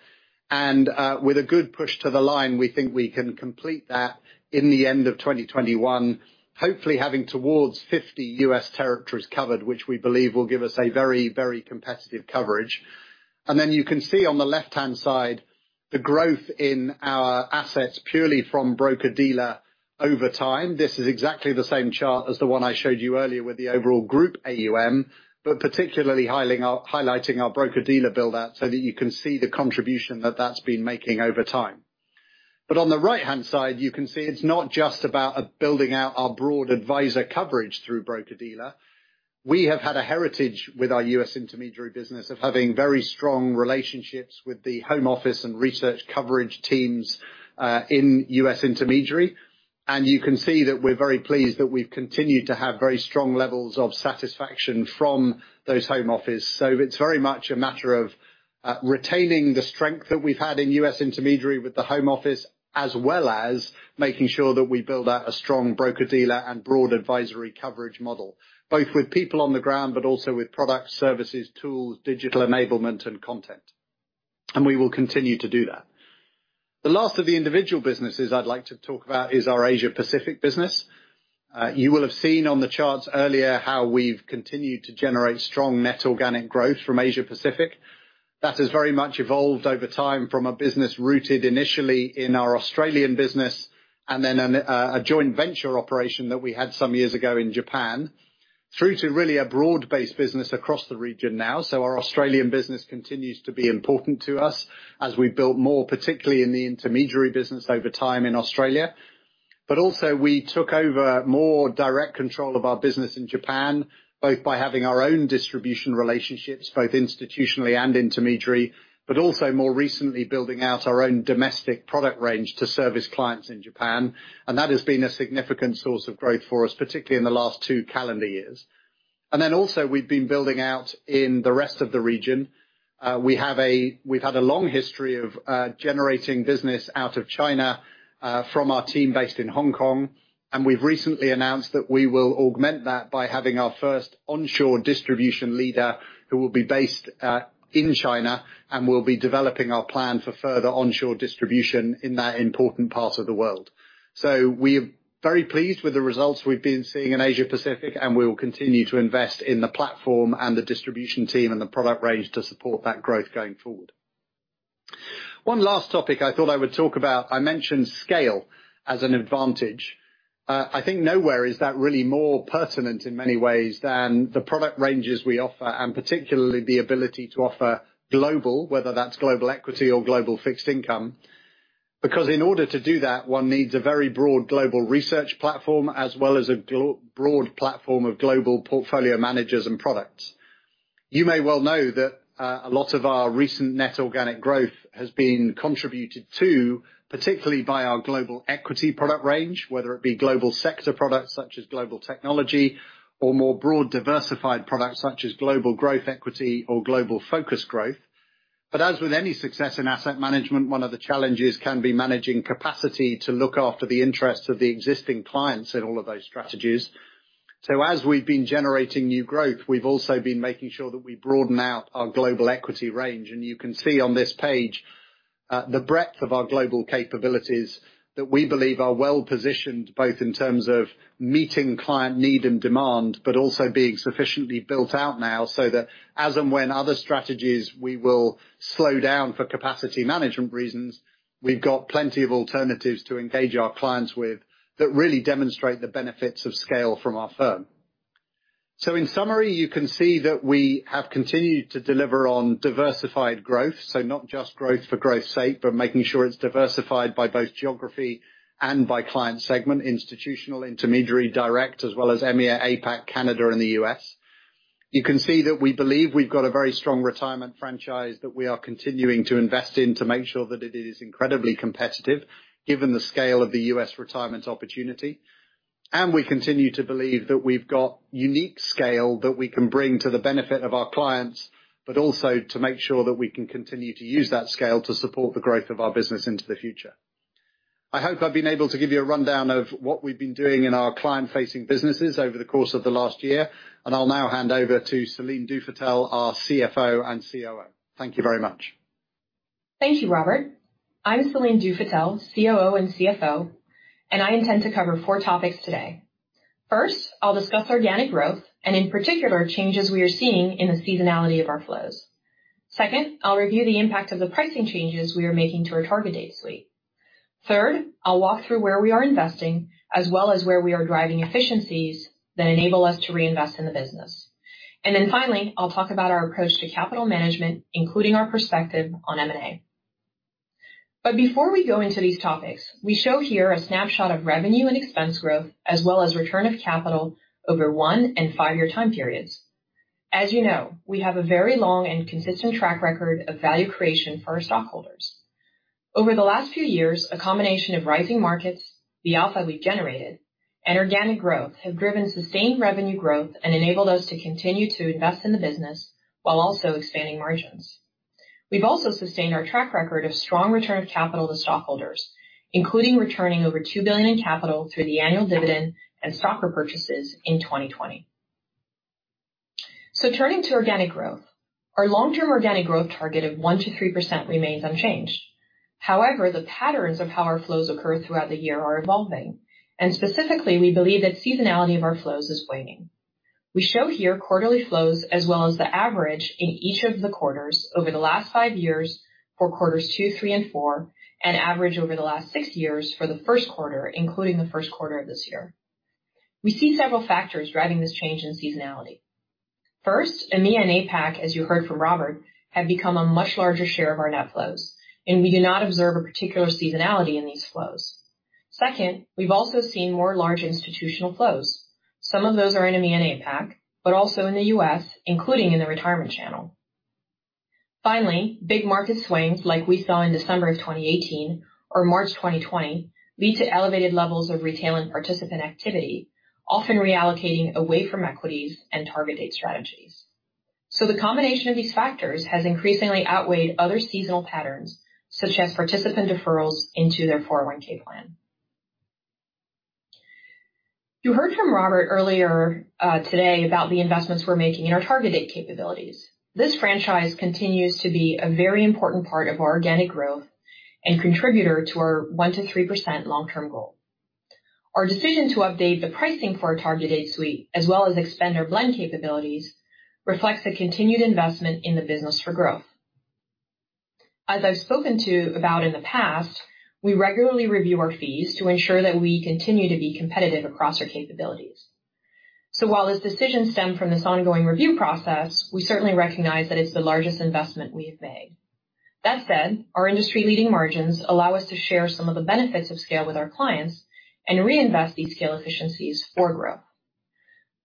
With a good push to the line, we think we can complete that in the end of 2021, hopefully having towards 50 U.S. territories covered, which we believe will give us a very competitive coverage. You can see on the left-hand side, the growth in our assets purely from broker-dealer over time. This is exactly the same chart as the one I showed you earlier with the overall group AUM, particularly highlighting our broker-dealer build out so that you can see the contribution that that's been making over time. On the right-hand side, you can see it's not just about building out our broad advisor coverage through broker-dealer. We have had a heritage with our U.S. intermediary business of having very strong relationships with the home office and research coverage teams, in U.S. intermediary. You can see that we're very pleased that we've continued to have very strong levels of satisfaction from those home offices. It's very much a matter of retaining the strength that we've had in U.S. intermediary with the home office, as well as making sure that we build out a strong broker-dealer and broad advisory coverage model. Both with people on the ground, but also with product services, tools, digital enablement, and content. We will continue to do that. The last of the individual businesses I'd like to talk about is our Asia-Pacific business. You will have seen on the charts earlier how we've continued to generate strong net organic growth from Asia-Pacific. That has very much evolved over time from a business rooted initially in our Australian business and then a joint venture operation that we had some years ago in Japan, through to really a broad-based business across the region now. Our Australian business continues to be important to us as we built more, particularly in the intermediary business over time in Australia. We took over more direct control of our business in Japan, both by having our own distribution relationships, both institutionally and intermediary, but also more recently building out our own domestic product range to service clients in Japan. That has been a significant source of growth for us, particularly in the last two calendar years. We've been building out in the rest of the region. We've had a long history of generating business out of China, from our team based in Hong Kong, and we've recently announced that we will augment that by having our first onshore distribution leader who will be based in China, and we'll be developing our plan for further onshore distribution in that important part of the world. We are very pleased with the results we've been seeing in Asia-Pacific, and we will continue to invest in the platform and the distribution team and the product range to support that growth going forward. One last topic I thought I would talk about, I mentioned scale as an advantage. I think nowhere is that really more pertinent in many ways than the product ranges we offer, and particularly the ability to offer global, whether that's global equity or global fixed income. In order to do that, one needs a very broad global research platform as well as a broad platform of global portfolio managers and products. You may well know that a lot of our recent net organic growth has been contributed to particularly by our global equity product range, whether it be global sector products such as Global Technology or more broad diversified products such as Global Growth Equity or Global Focused Growth. As with any success in asset management, one of the challenges can be managing capacity to look after the interests of the existing clients in all of those strategies. As we've been generating new growth, we've also been making sure that we broaden out our global equity range, and you can see on this page, the breadth of our global capabilities that we believe are well-positioned, both in terms of meeting client need and demand, but also being sufficiently built out now so that as and when other strategies we will slow down for capacity management reasons, we've got plenty of alternatives to engage our clients with that really demonstrate the benefits of scale from our firm. In summary, you can see that we have continued to deliver on diversified growth, so not just growth for growth's sake, but making sure it's diversified by both geography and by client segment, institutional, intermediary, direct, as well as EMEA, APAC, Canada, and the U.S. You can see that we believe we've got a very strong retirement franchise that we are continuing to invest in to make sure that it is incredibly competitive given the scale of the U.S. retirement opportunity. We continue to believe that we've got unique scale that we can bring to the benefit of our clients, but also to make sure that we can continue to use that scale to support the growth of our business into the future. I hope I've been able to give you a rundown of what we've been doing in our client-facing businesses over the course of the last year. I'll now hand over to Céline Dufétel, our CFO and COO. Thank you very much. Thank you, Robert. I'm Céline Dufétel, COO and CFO. I intend to cover four topics today. First, I'll discuss organic growth and in particular, changes we are seeing in the seasonality of our flows. Second, I'll review the impact of the pricing changes we are making to our Target Date suite. Third, I'll walk through where we are investing as well as where we are driving efficiencies that enable us to reinvest in the business. Finally, I'll talk about our approach to capital management, including our perspective on M&A. Before we go into these topics, we show here a snapshot of revenue and expense growth as well as return of capital over one and five-year time periods. As you know, we have a very long and consistent track record of value creation for our stockholders. Over the last few years, a combination of rising markets, the alpha we've generated, and organic growth have driven sustained revenue growth and enabled us to continue to invest in the business while also expanding margins. We've also sustained our track record of strong return of capital to stockholders, including returning over $2 billion in capital through the annual dividend and stock repurchases in 2020. Turning to organic growth. Our long-term organic growth target of 1%-3% remains unchanged. However, the patterns of how our flows occur throughout the year are evolving, and specifically, we believe that seasonality of our flows is waning. We show here quarterly flows as well as the average in each of the quarters over the last five years for quarters two, three, and four, and average over the last six years for the first quarter, including the first quarter of this year. We see several factors driving this change in seasonality. First, EMEA and APAC, as you heard from Robert, have become a much larger share of our net flows, and we do not observe a particular seasonality in these flows. Second, we've also seen more large institutional flows. Some of those are in EMEA and APAC, but also in the U.S., including in the retirement channel. Finally, big market swings like we saw in December of 2018 or March 2020 lead to elevated levels of retail and participant activity, often reallocating away from equities and Target Date strategies. The combination of these factors has increasingly outweighed other seasonal patterns, such as participant deferrals into their 401 plan. You heard from Robert earlier today about the investments we're making in our Target Date capabilities. This franchise continues to be a very important part of our organic growth and contributor to our 1%-3% long-term goal. Our decision to update the pricing for our Target Date suite, as well as expand our blend capabilities, reflects the continued investment in the business for growth. As I've spoken to about in the past, we regularly review our fees to ensure that we continue to be competitive across our capabilities. While this decision stemmed from this ongoing review process, we certainly recognize that it's the largest investment we've made. That said, our industry-leading margins allow us to share some of the benefits of scale with our clients and reinvest these scale efficiencies for growth.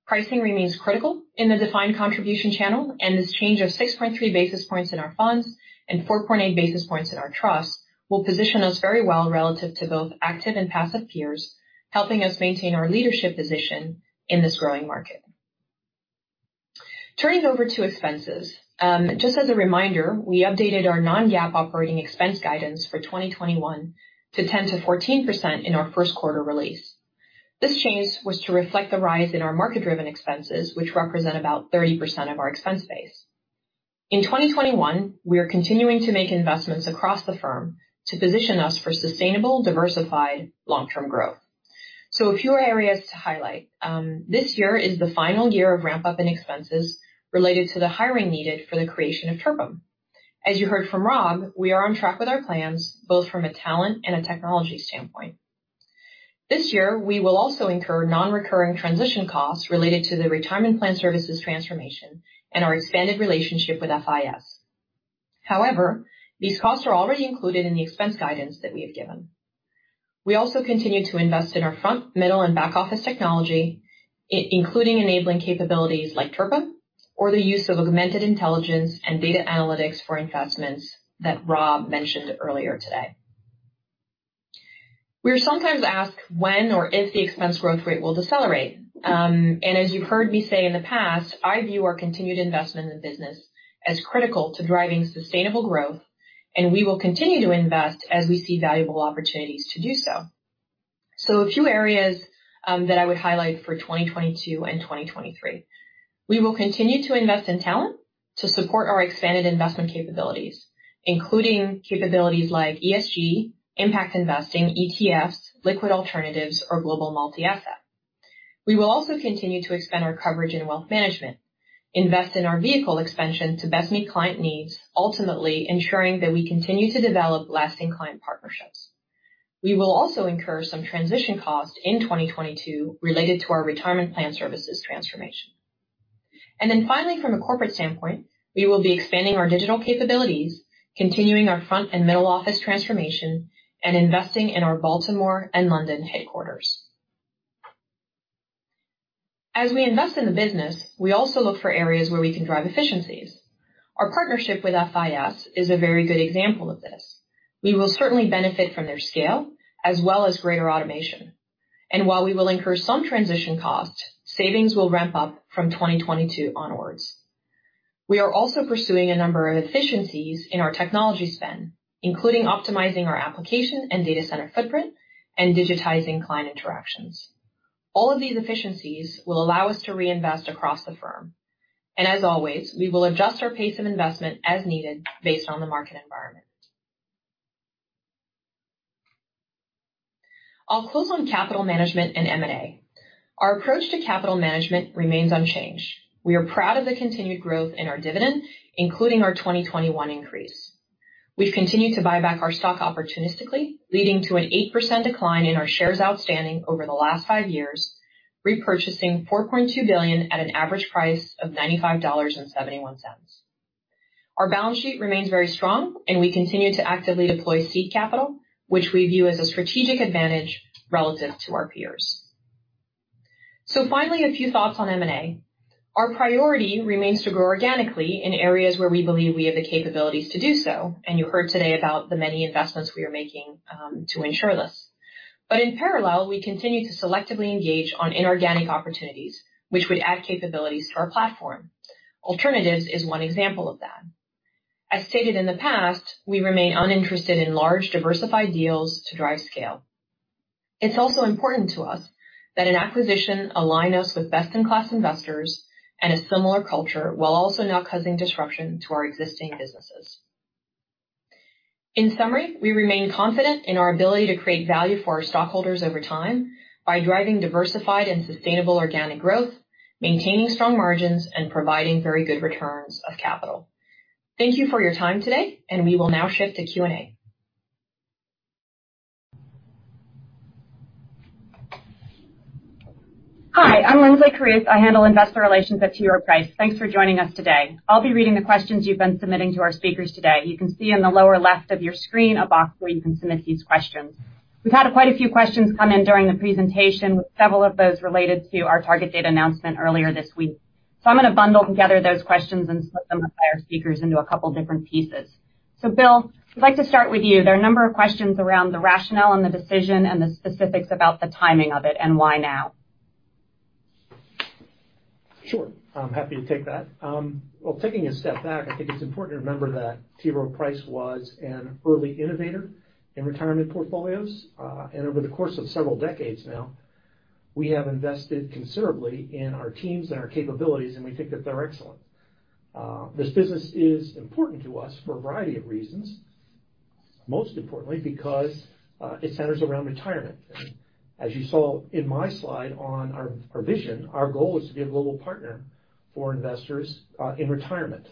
Pricing remains critical in the defined contribution channel. This change of 6.3 basis points in our funds and 4.8 basis points in our trust will position us very well relative to both active and passive peers, helping us maintain our leadership position in this growing market. Turning over to expenses. Just as a reminder, we updated our non-GAAP operating expense guidance for 2021 to 10%-14% in our first quarter release. This change was to reflect the rise in our market-driven expenses, which represent about 30% of our expense base. In 2021, we are continuing to make investments across the firm to position us for sustainable, diversified, long-term growth. A few areas to highlight. This year is the final year of ramp-up and expenses related to the hiring needed for the creation of Turbo. As you heard from Rob, we are on track with our plans both from a talent and a technology standpoint. This year, we will also incur non-recurring transition costs related to the Retirement Plan Services transformation and our expanded relationship with FIS. However, these costs are already included in the expense guidance that we have given. We also continue to invest in our front, middle, and back-office technology, including enabling capabilities like Turbo or the use of augmented intelligence and data analytics for investments that Rob mentioned earlier today. We are sometimes asked when or if the expense growth rate will decelerate. As you've heard me say in the past, I view our continued investment in the business as critical to driving sustainable growth, and we will continue to invest as we see valuable opportunities to do so. A few areas that I would highlight for 2022 and 2023. We will continue to invest in talent to support our expanded investment capabilities, including capabilities like ESG, impact investing, ETFs, liquid alternatives, or global multi-asset. We will also continue to expand our coverage in wealth management, invest in our vehicle expansion to best meet client needs, ultimately ensuring that we continue to develop lasting client partnerships. We will also incur some transition costs in 2022 related to our Retirement Plan Services transformation. Finally, from a corporate standpoint, we will be expanding our digital capabilities, continuing our front and middle-office transformation, and investing in our Baltimore and London headquarters. As we invest in the business, we also look for areas where we can drive efficiencies. Our partnership with FIS is a very good example of this. We will certainly benefit from their scale as well as greater automation. While we will incur some transition costs, savings will ramp up from 2022 onwards. We are also pursuing a number of efficiencies in our technology spend, including optimizing our application and data center footprint and digitizing client interactions. All of these efficiencies will allow us to reinvest across the firm. As always, we will adjust our pace of investment as needed based on the market environment. I'll close on capital management and M&A. Our approach to capital management remains unchanged. We are proud of the continued growth in our dividend, including our 2021 increase. We've continued to buy back our stock opportunistically, leading to an 8% decline in our shares outstanding over the last five years, repurchasing $4.2 billion at an average price of $95.71. Our balance sheet remains very strong, and we continue to actively deploy seed capital, which we view as a strategic advantage relative to our peers. Finally, a few thoughts on M&A. Our priority remains to grow organically in areas where we believe we have the capabilities to do so, and you heard today about the many investments we are making to ensure this. In parallel, we continue to selectively engage on inorganic opportunities, which would add capabilities to our platform. Alternatives is one example of that. As stated in the past, we remain uninterested in large, diversified deals to drive scale. It's also important to us that an acquisition align us with best-in-class investors and a similar culture while also not causing disruption to our existing businesses. In summary, we remain confident in our ability to create value for our stockholders over time by driving diversified and sustainable organic growth, maintaining strong margins, and providing very good returns of capital. Thank you for your time today. We will now shift to Q&A. Hi, I'm Linsley Carruth. I handle investor relations at T. Rowe Price. Thanks for joining us today. I'll be reading the questions you've been submitting to our speakers today. You can see in the lower left of your screen a box where you can submit these questions. We've had quite a few questions come in during the presentation, several of those related to our Target Date announcement earlier this week. I'm going to bundle together those questions and split them with our speakers into a couple different pieces. Bill, I'd like to start with you. There are a number of questions around the rationale and the decision and the specifics about the timing of it and why now. Sure. I'm happy to take that. Well, taking a step back, I think it's important to remember that T. Rowe Price was an early innovator in retirement portfolios. Over the course of several decades now, we have invested considerably in our teams and our capabilities, and we think that they're excellent. This business is important to us for a variety of reasons, most importantly, because it centers around retirement. As you saw in my slide on our vision, our goal is to be a global partner for investors in retirement.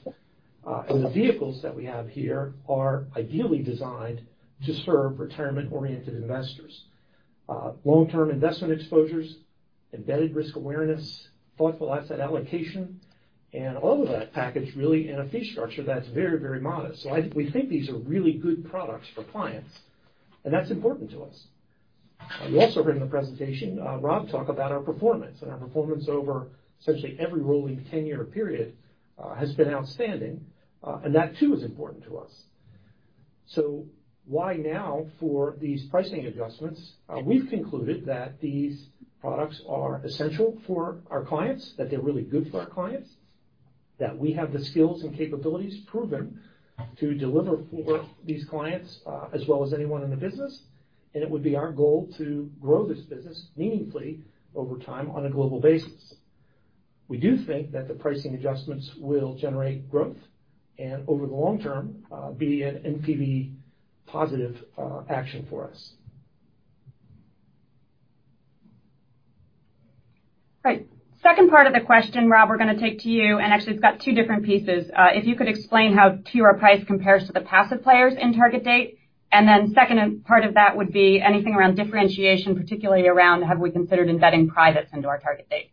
The vehicles that we have here are ideally designed to serve retirement-oriented investors. Long-term investment exposures, embedded risk awareness, thoughtful asset allocation, and all of that packaged really in a fee structure that's very modest. We think these are really good products for clients, and that's important to us. You also heard in the presentation, Rob talk about our performance. Our performance over essentially every rolling 10-year period has been outstanding, and that too is important to us. Why now for these pricing adjustments? We've concluded that these products are essential for our clients, that they're really good for our clients, that we have the skills and capabilities proven to deliver for these clients as well as anyone in the business, and it would be our goal to grow this business meaningfully over time on a global basis. We think that the pricing adjustments will generate growth and over the long term, be an NPV positive action for us. Right. Second part of the question, Rob, we're going to take to you, actually it's got two different pieces. If you could explain how T. Rowe Price compares to the passive players in target date, then second part of that would be anything around differentiation, particularly around have we considered embedding privates into our target date.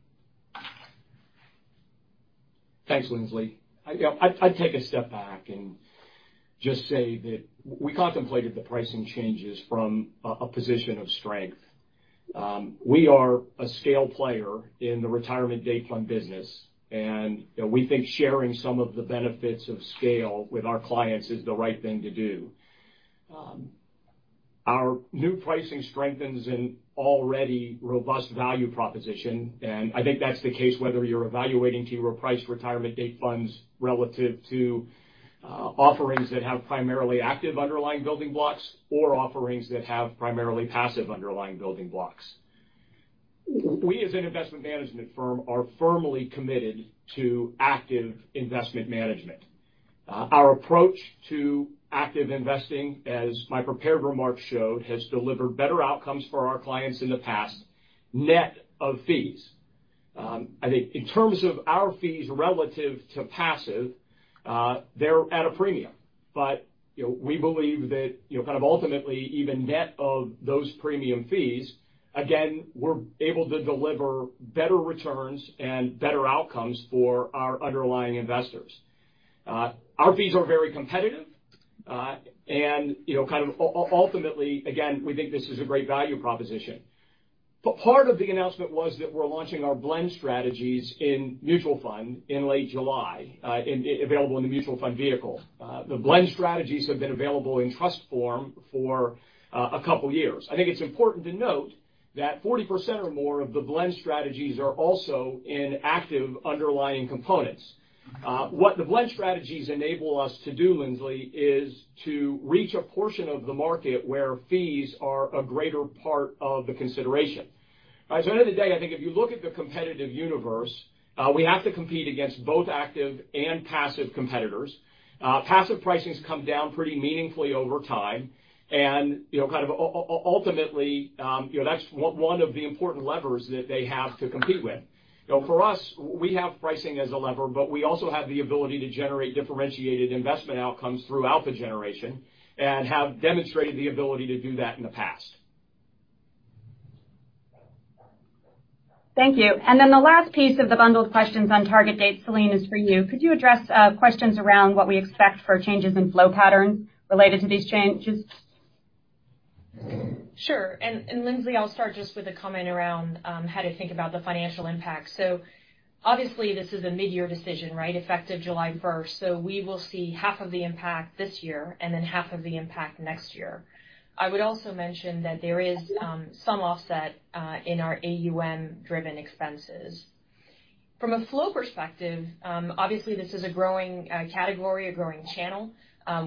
Thanks, Linsley. I'd take a step back and just say that we contemplated the pricing changes from a position of strength. We are a scale player in the retirement date fund business. We think sharing some of the benefits of scale with our clients is the right thing to do. Our new pricing strengthens an already robust value proposition. I think that's the case whether you're evaluating T. Rowe Price retirement date funds relative to offerings that have primarily active underlying building blocks or offerings that have primarily passive underlying building blocks. We, as an investment management firm, are firmly committed to active investment management. Our approach to active investing, as my prepared remarks showed, has delivered better outcomes for our clients in the past, net of fees. I think in terms of our fees relative to passive, they're at a premium. We believe that kind of ultimately even net of those premium fees, again, we are able to deliver better returns and better outcomes for our underlying investors. Our fees are very competitive, and kind of ultimately, again, we think this is a great value proposition. Part of the announcement was that we are launching our blend strategies in mutual fund in late July available in the mutual fund vehicle. The blend strategies have been available in trust form for a couple of years. I think it is important to note that 40% or more of the blend strategies are also in active underlying components. What the blend strategies enable us to do, Linsley, is to reach a portion of the market where fees are a greater part of the consideration. At the end of the day, I think if you look at the competitive universe, we have to compete against both active and passive competitors. Passive pricing's come down pretty meaningfully over time, and ultimately, that's one of the important levers that they have to compete with. For us, we have pricing as a lever, but we also have the ability to generate differentiated investment outcomes through alpha generation and have demonstrated the ability to do that in the past. Thank you. The last piece of the bundled questions on Target Date, Céline, is for you. Could you address questions around what we expect for changes in flow patterns related to these changes? Sure. Linsley, I'll start just with a comment around how to think about the financial impact. Obviously this is a mid-year decision, right, effective July 1st. We will see half of the impact this year and then half of the impact next year. I would also mention that there is some offset in our AUM-driven expenses. From a flow perspective, obviously this is a growing category, a growing channel,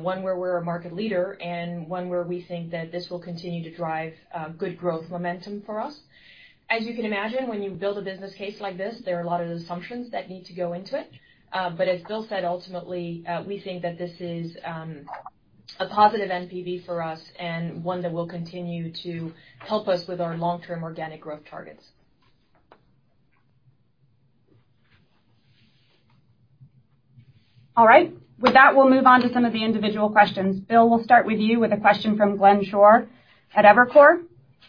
one where we're a market leader and one where we think that this will continue to drive good growth momentum for us. As you can imagine, when you build a business case like this, there are a lot of assumptions that need to go into it. As Bill said, ultimately, we think that this is a positive NPV for us and one that will continue to help us with our long-term organic growth targets. All right. With that, we'll move on to some of the individual questions. Bill, we'll start with you with a question from Glenn Schorr at Evercore.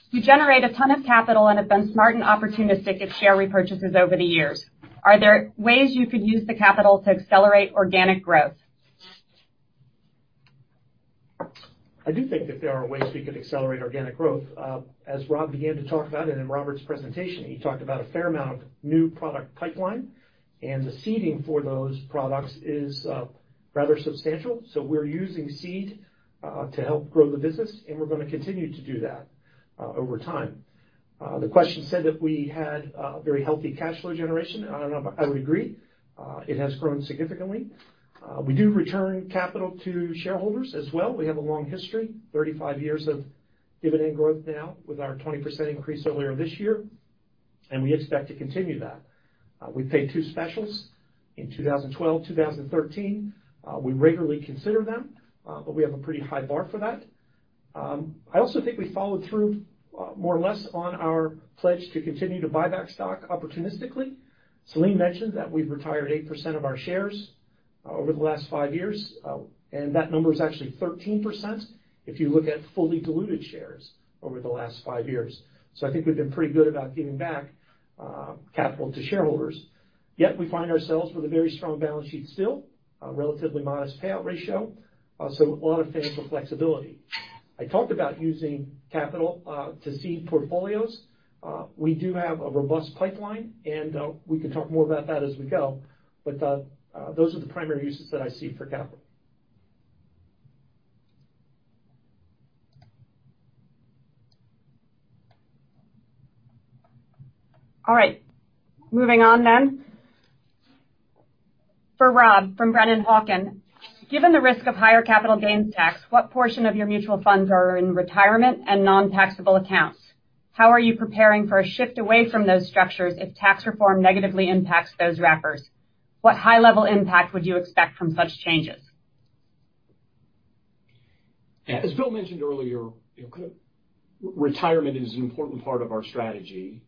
You generate a ton of capital and have been smart and opportunistic at share repurchases over the years. Are there ways you could use the capital to accelerate organic growth? I do think that there are ways we could accelerate organic growth. As Rob Sharps began to talk about, and in Robert Higginbotham's presentation, he talked about a fair amount of new product pipeline, and the seeding for those products is rather substantial. We're using seed to help grow the business, and we're going to continue to do that over time. The question said that we had a very healthy cash flow generation. I would agree. It has grown significantly. We do return capital to shareholders as well. We have a long history, 35 years of dividend growth now with our 20% increase earlier this year, and we expect to continue that. We paid two specials in 2012, 2013. We regularly consider them, but we have a pretty high bar for that. I also think we followed through more or less on our pledge to continue to buy back stock opportunistically. Céline mentioned that we've retired 8% of our shares over the last five years, and that number is actually 13% if you look at fully diluted shares over the last five years. I think we've been pretty good about giving back capital to shareholders. Yet we find ourselves with a very strong balance sheet still, a relatively modest payout ratio, so a lot of financial flexibility. I talked about using capital to seed portfolios. We do have a robust pipeline, and we can talk more about that as we go. Those are the primary uses that I see for capital. All right, moving on. For Rob, from Brennan Hawken, given the risk of higher capital gains tax, what portion of your mutual funds are in retirement and non-taxable accounts? How are you preparing for a shift away from those structures if tax reform negatively impacts those wrappers? What high-level impact would you expect from such changes? As Bill mentioned earlier, retirement is an important part of our strategy.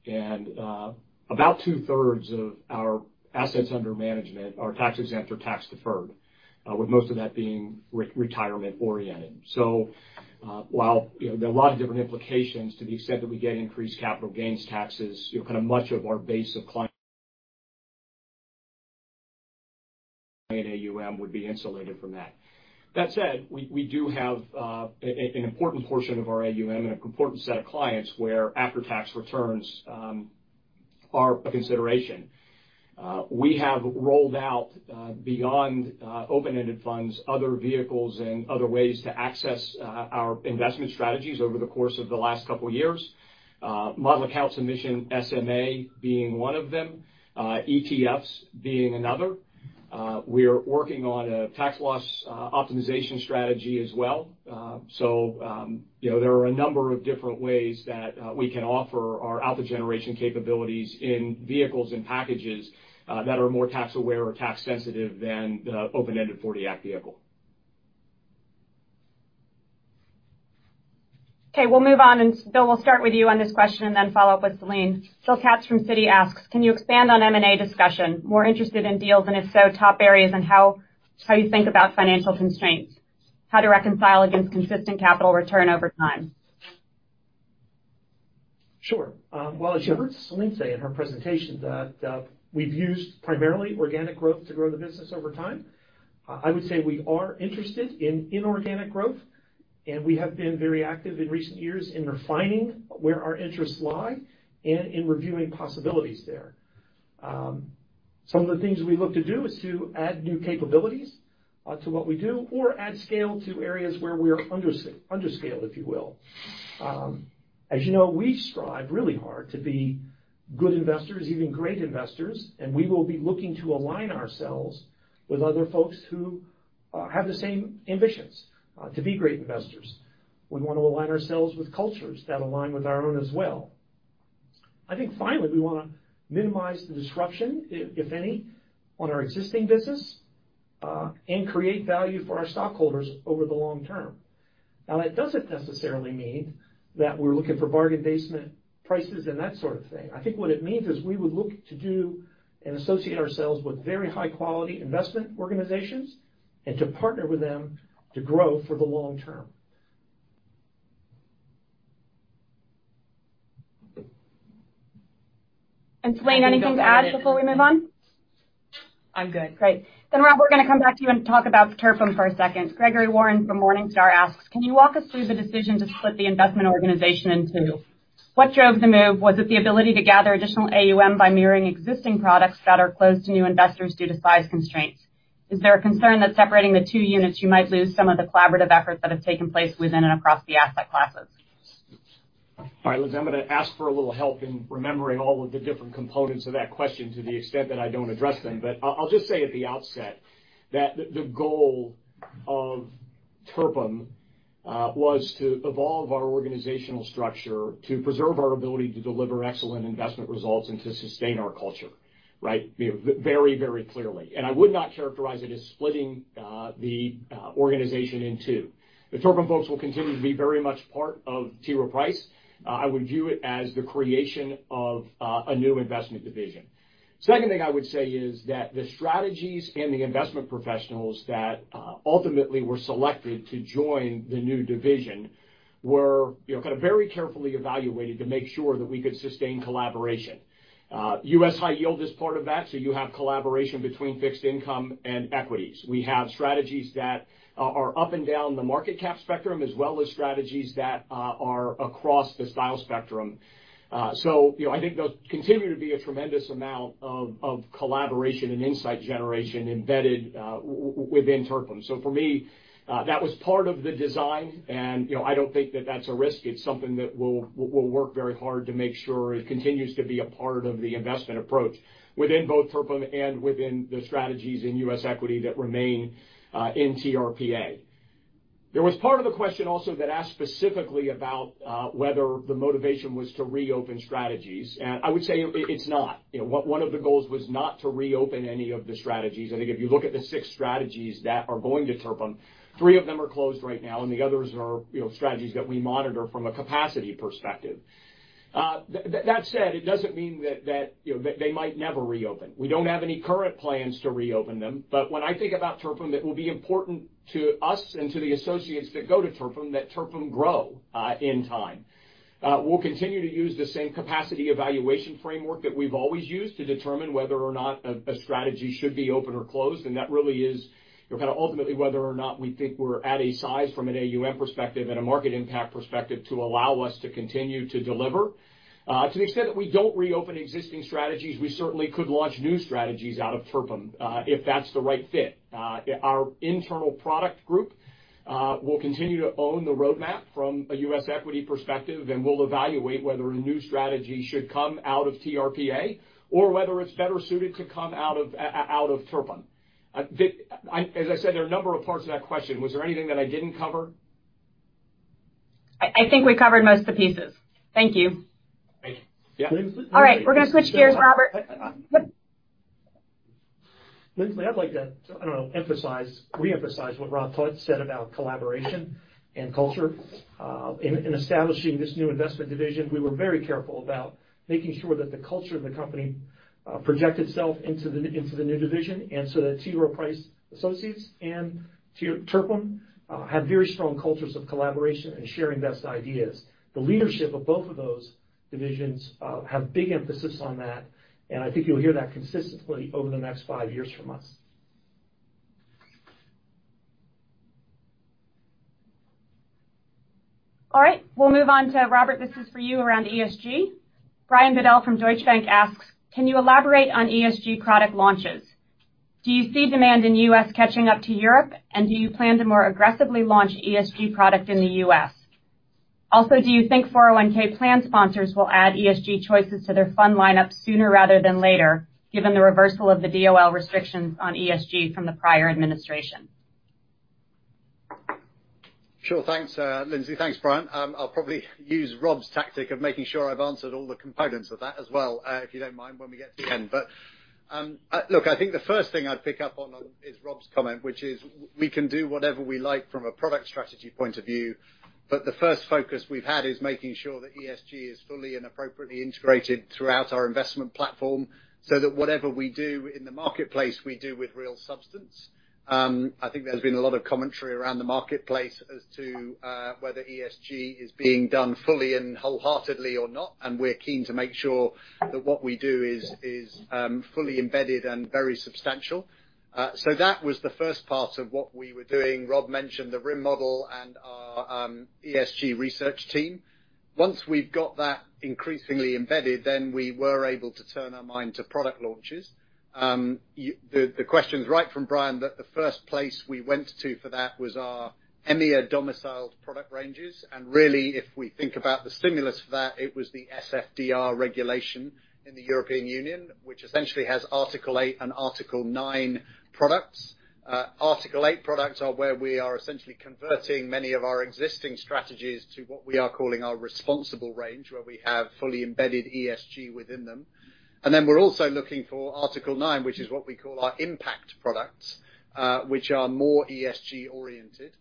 About 2/3 of our assets under management are tax-exempt or tax-deferred, with most of that being retirement-oriented. While there are a lot of different implications to the extent that we get increased capital gains taxes, much of our base of client AUM would be insulated from that. That said, we do have an important portion of our AUM and an important set of clients where after-tax returns are a consideration. We have rolled out, beyond open-ended funds, other vehicles and other ways to access our investment strategies over the course of the last couple of years. Model accounts and mission SMA being one of them, ETFs being another. We are working on a tax loss optimization strategy as well. There are a number of different ways that we can offer our alpha generation capabilities in vehicles and packages that are more tax aware or tax sensitive than the open-ended 40 Act vehicle. Okay. We'll move on. Bill, we'll start with you on this question, then follow up with Céline. William Katz from Citi asks, can you expand on M&A discussion, more interested in deals, and if so, top areas and how you think about financial constraints, how to reconcile against consistent capital return over time. Sure. As you heard Céline say in her presentation that we've used primarily organic growth to grow the business over time. I would say we are interested in inorganic growth, and we have been very active in recent years in refining where our interests lie and in reviewing possibilities there. Some of the things we look to do is to add new capabilities to what we do or add scale to areas where we are under scale, if you will. As you know, we strive really hard to be good investors, even great investors. We will be looking to align ourselves with other folks who have the same ambitions to be great investors. We want to align ourselves with cultures that align with our own as well. I think finally, we want to minimize the disruption, if any, on our existing business, and create value for our stockholders over the long term. That doesn't necessarily mean that we're looking for bargain basement prices and that sort of thing. I think what it means is we would look to do and associate ourselves with very high-quality investment organizations and to partner with them to grow for the long term. Céline, anything to add before we move on? I'm good. Great. Rob, we're going to come back to you and talk about TRPIM for a second. Greggory Warren from Morningstar asks, can you walk us through the decision to split the investment organization in two? What drove the move? Was it the ability to gather additional AUM by mirroring existing products that are closed to new investors due to size constraints? Is there a concern that separating the two units, you might lose some of the collaborative efforts that have taken place within and across the asset classes? I was going to ask for a little help in remembering all of the different components of that question to the extent that I don't address them. I'll just say at the outset that the goal of TRPIM was to evolve our organizational structure, to preserve our ability to deliver excellent investment results, and to sustain our culture. Very, very clearly. I would not characterize it as splitting the organization in two. The TRPIM folks will continue to be very much part of T. Rowe Price. I would view it as the creation of a new investment division. Second thing I would say is that the strategies and the investment professionals that ultimately were selected to join the new division were very carefully evaluated to make sure that we could sustain collaboration. U.S. High Yield is part of that, so you have collaboration between fixed income and equities. We have strategies that are up and down the market cap spectrum, as well as strategies that are across the style spectrum. I think there'll continue to be a tremendous amount of collaboration and insight generation embedded within TRPIM. For me, that was part of the design, and I don't think that that's a risk. It's something that we'll work very hard to make sure it continues to be a part of the investment approach within both TRPIM and within the strategies in U.S. equity that remain in TRPA. There was part of the question also that asked specifically about whether the motivation was to reopen strategies. I would say it's not. One of the goals was not to reopen any of the strategies. I think if you look at the six strategies that are going to TRPIM, three of them are closed right now. The others are strategies that we monitor from a capacity perspective. That said, it doesn't mean that they might never reopen. We don't have any current plans to reopen them. When I think about TRPIM, it will be important to us and to the associates that go to TRPIM, that TRPIM grow in time. We'll continue to use the same capacity evaluation framework that we've always used to determine whether or not a strategy should be open or closed. That really is kind of ultimately whether or not we think we're at a size from an AUM perspective and a market impact perspective to allow us to continue to deliver. To the extent that we don't reopen existing strategies, we certainly could launch new strategies out of TRPIM if that's the right fit. Our internal product group will continue to own the roadmap from a U.S. equity perspective. We'll evaluate whether a new strategy should come out of TRPA or whether it's better suited to come out of TRPIM. As I said, there are a number of parts of that question. Was there anything that I didn't cover? I think we covered most of the pieces. Thank you. Yeah. All right. We're going to switch gears, Robert. Linsley, I'd like to emphasize, reemphasize what Rob said about collaboration and culture. In establishing this new investment division, we were very careful about making sure that the culture of the company project itself into the new division. T. Rowe Price Associates and TRPIM have very strong cultures of collaboration and sharing best ideas. The leadership of both of those divisions have big emphasis on that. I think you'll hear that consistently over the next five years from us. All right, we'll move on to Robert. This is for you around ESG. Brian Bedell from Deutsche Bank asks, can you elaborate on ESG product launches? Do you see demand in the U.S. catching up to Europe, and do you plan to more aggressively launch ESG product in the U.S.? Do you think 401 plan sponsors will add ESG choices to their fund lineup sooner rather than later, given the reversal of the DOL restrictions on ESG from the prior administration? Sure. Thanks, Linsley. Thanks, Brian. I'll probably use Rob's tactic of making sure I've answered all the components of that as well if you don't mind when we get to the end. Look, I think the first thing I'd pick up on is Rob's comment, which is we can do whatever we like from a product strategy point of view, but the first focus we've had is making sure that ESG is fully and appropriately integrated throughout our investment platform, so that whatever we do in the marketplace, we do with real substance. I think there's been a lot of commentary around the marketplace as to whether ESG is being done fully and wholeheartedly or not, and we're keen to make sure that what we do is fully embedded and very substantial. That was the first part of what we were doing. Rob mentioned the RIIM model and our ESG research team. Once we've got that increasingly embedded, then we were able to turn our mind to product launches. The question's right from Brian that the first place we went to for that was our EMEA domiciled product ranges. Really, if we think about the stimulus for that, it was the SFDR regulation in the European Union. Which essentially has Article 8 and Article 9 products. Article 8 products are where we are essentially converting many of our existing strategies to what we are calling our responsible range, where we have fully embedded ESG within them. Then we're also looking for Article 9, which is what we call our impact products, which are more ESG oriented.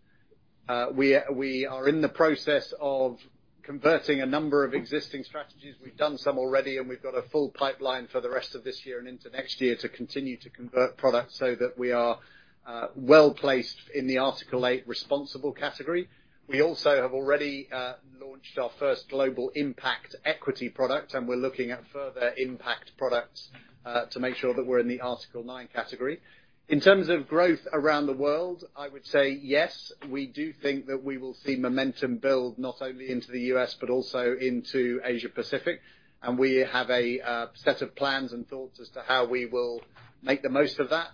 We are in the process of converting a number of existing strategies. We've done some already, and we've got a full pipeline for the rest of this year and into next year to continue to convert products so that we are well-placed in the Article 8 responsible category. We also have already launched our first Global Impact Equity product, and we're looking at further impact products to make sure that we're in the Article 9 category. In terms of growth around the world, I would say yes, we do think that we will see momentum build not only into the U.S. but also into Asia-Pacific, and we have a set of plans and thoughts as to how we will make the most of that.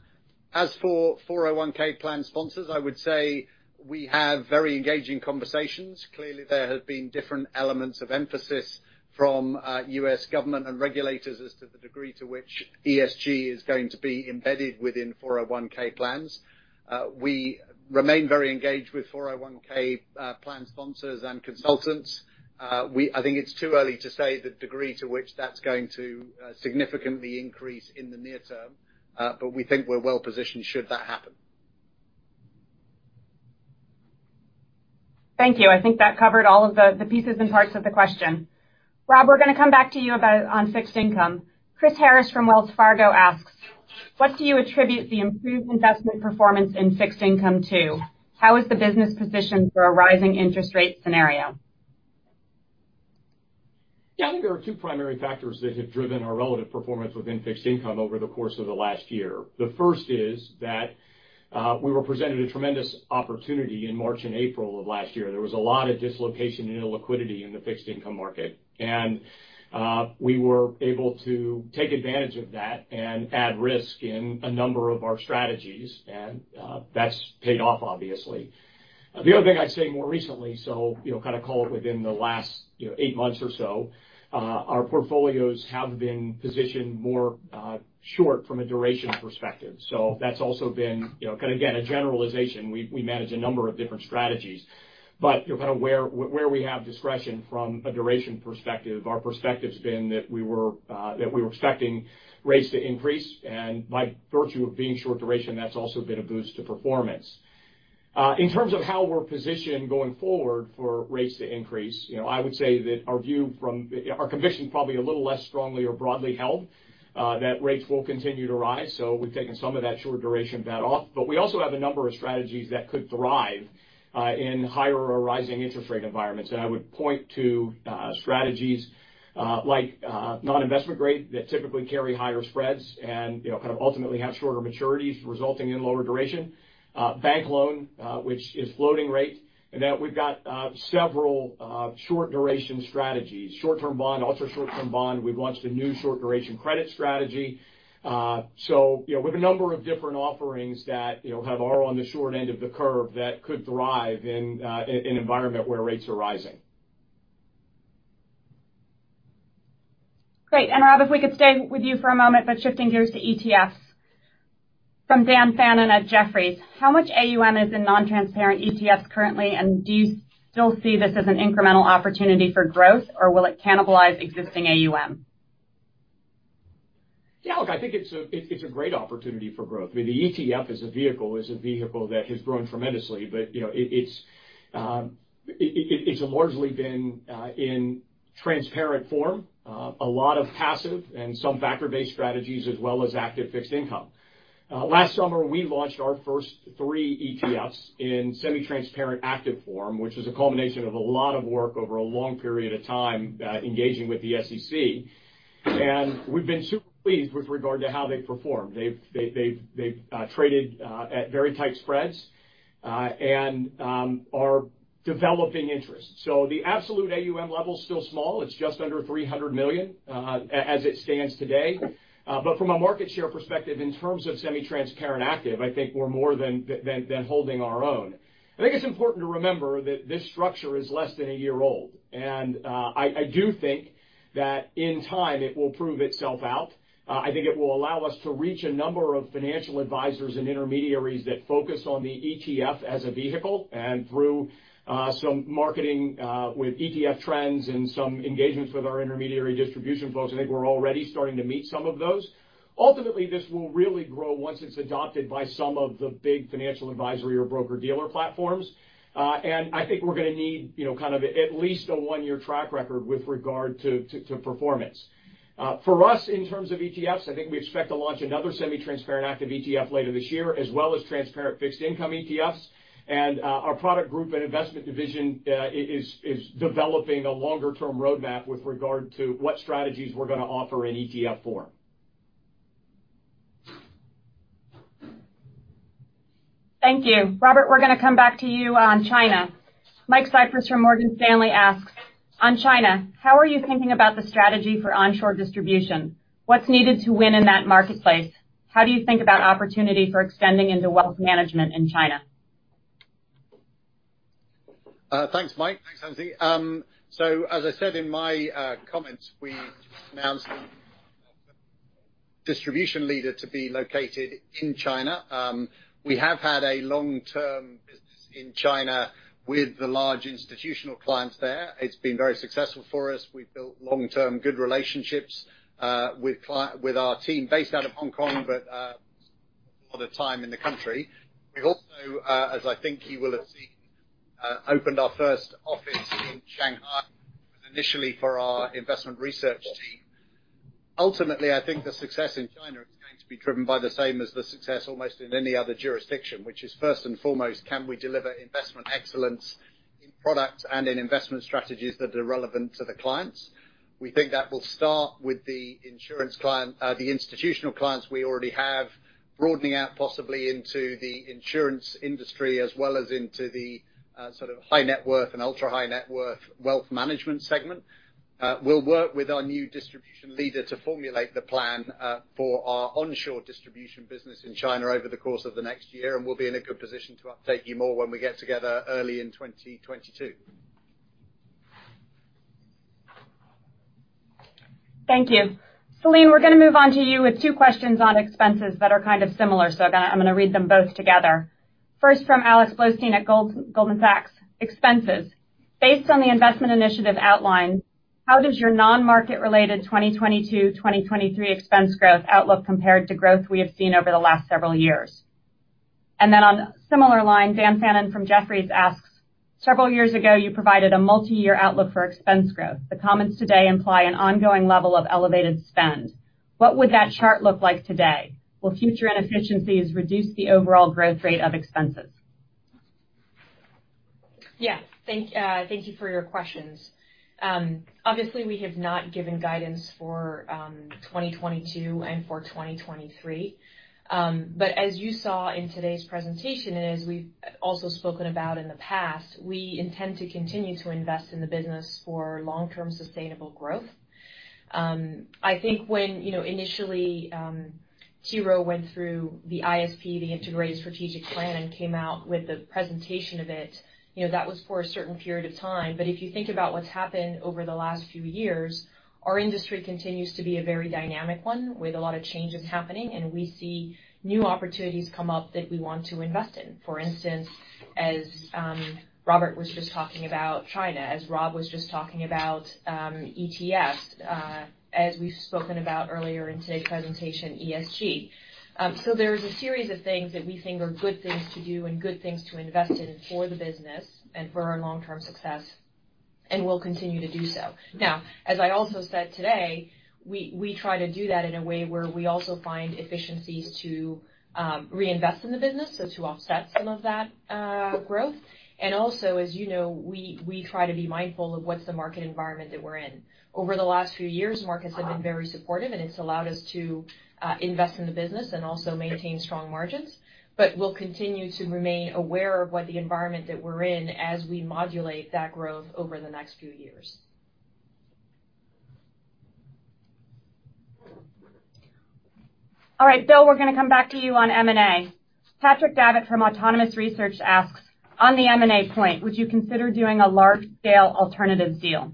As for 401 plan sponsors, I would say we have very engaging conversations. Clearly, there have been different elements of emphasis from U.S. government and regulators as to the degree to which ESG is going to be embedded within 401 plans. We remain very engaged with 401 plan sponsors and consultants. I think it's too early to say the degree to which that's going to significantly increase in the near term. We think we're well-positioned should that happen. Thank you. I think that covered all of the pieces and parts of the question. Rob, we're going to come back to you on fixed income. Chris Harris from Wells Fargo asks, what do you attribute the improved investment performance in fixed income to? How is the business positioned for a rising interest rate scenario? Yeah. There are two primary factors that have driven our relative performance within fixed income over the course of the last year. The first is that we were presented a tremendous opportunity in March and April of last year. There was a lot of dislocation and illiquidity in the fixed income market, and we were able to take advantage of that and add risk in a number of our strategies. That's paid off, obviously. The other thing I'd say more recently, so kind of call it within the last eight months or so, our portfolios have been positioned more short from a duration perspective. That's also been kind of, again, a generalization. We manage a number of different strategies, but kind of where we have discretion from a duration perspective, our perspective's been that we were expecting rates to increase. By virtue of being short duration, that's also been a boost to performance. In terms of how we're positioned going forward for rates to increase, I would say that our conviction probably a little less strongly or broadly held that rates will continue to rise. We've taken some of that short duration bet off. We also have a number of strategies that could thrive in higher or rising interest rate environments. I would point to strategies like non-investment grade that typically carry higher spreads and kind of ultimately have shorter maturities resulting in lower duration. Bank loan which is floating rate, and that we've got several short duration strategies. Short-Term Bond, Ultra Short-Term Bond. We've launched a new Short Duration Credit strategy. With a number of different offerings that are on the short end of the curve that could thrive in an environment where rates are rising. Great. Rob, if we could stay with you for a moment, but shifting gears to ETFs. From Dan Fannon at Jefferies, how much AUM is in non-transparent ETFs currently, and do you still see this as an incremental opportunity for growth, or will it cannibalize existing AUM? Yeah. Look, I think it's a great opportunity for growth. The ETF as a vehicle, is a vehicle that has grown tremendously. It's largely been in transparent form. A lot of passive and some factor-based strategies, as well as active fixed income. Last summer, we launched our first three ETFs in semi-transparent active form, which is a culmination of a lot of work over a long period of time engaging with the SEC. We've been super pleased with regard to how they've performed. They've traded at very tight spreads, and are developing interest. The absolute AUM level is still small. It's just under $300 million as it stands today. From a market share perspective, in terms of semi-transparent active, I think we're more than holding our own. I think it's important to remember that this structure is less than a year old. I do think that in time it will prove itself out. I think it will allow us to reach a number of financial advisors and intermediaries that focus on the ETF as a vehicle. Through some marketing with ETF Trends and some engagements with our intermediary distribution folks, I think we're already starting to meet some of those. Ultimately, this will really grow once it's adopted by some of the big financial advisory or broker-dealer platforms. I think we're going to need kind of at least a one-year track record with regard to performance. For us in terms of ETFs, I think we expect to launch another semi-transparent active ETF later this year, as well as transparent fixed income ETFs. Our product group and investment division is developing a longer-term roadmap with regard to what strategies we're going to offer in ETF form. Thank you. Robert, we're going to come back to you on China. Michael Cyprys from Morgan Stanley asks, on China, how are you thinking about the strategy for onshore distribution? What's needed to win in that marketplace? How do you think about opportunity for extending into wealth management in China? Thanks, Mike. Thanks, Linsley. As I said in my comments, we announced the distribution leader to be located in China. We have had a long-term business in China with the large institutional clients there. It's been very successful for us. We've built long-term good relationships with our team based out of Hong Kong, but a lot of time in the country. We've also, as I think you will have seen, opened our first office in Shanghai initially for our investment research team. Ultimately, I think the success in China is going to be driven by the same as the success almost in any other jurisdiction, which is first and foremost, can we deliver investment excellence in products and in investment strategies that are relevant to the clients? We think that will start with the institutional clients we already have, broadening out possibly into the insurance industry as well as into the sort of high net worth and ultra-high net worth wealth management segment. We'll work with our new distribution leader to formulate the plan for our onshore distribution business in China over the course of the next year, and we'll be in a good position to update you more when we get together early in 2022. Thank you. Céline, we're going to move on to you with two questions on expenses that are kind of similar, so I'm going to read them both together. First from Alexander Blostein at Goldman Sachs. Expenses. Based on the investment initiative outline, how does your non-market related 2022, 2023 expense growth outlook compare to growth we have seen over the last several years? Then on a similar line, Daniel Fannon from Jefferies asks, several years ago, you provided a multi-year outlook for expense growth. The comments today imply an ongoing level of elevated spend. What would that chart look like today? Will future inefficiencies reduce the overall growth rate of expenses? Yeah. Thank you for your questions. Obviously, we have not given guidance for 2022 and for 2023. As you saw in today's presentation, and as we've also spoken about in the past, we intend to continue to invest in the business for long-term sustainable growth. I think when initially T. Rowe went through the ISP, the Integrated Strategic Plan, and came out with the presentation of it, that was for a certain period of time. If you think about what's happened over the last few years, our industry continues to be a very dynamic one with a lot of changes happening. We see new opportunities come up that we want to invest in. For instance, as Robert was just talking about China, as Rob was just talking about ETFs, as we've spoken about earlier in today's presentation, ESG. There's a series of things that we think are good things to do and good things to invest in for the business and for our long-term success. We'll continue to do so. Now, as I also said today, we try to do that in a way where we also find efficiencies to reinvest in the business, so to offset some of that growth. As you know, we try to be mindful of what's the market environment that we're in. Over the last few years, the market has been very supportive, and it's allowed us to invest in the business and also maintain strong margins. We'll continue to remain aware of what the environment that we're in as we modulate that growth over the next few years. All right, Bill, we're going to come back to you on M&A. Patrick Davitt from Autonomous Research asks, on the M&A point, would you consider doing a large-scale alternative deal?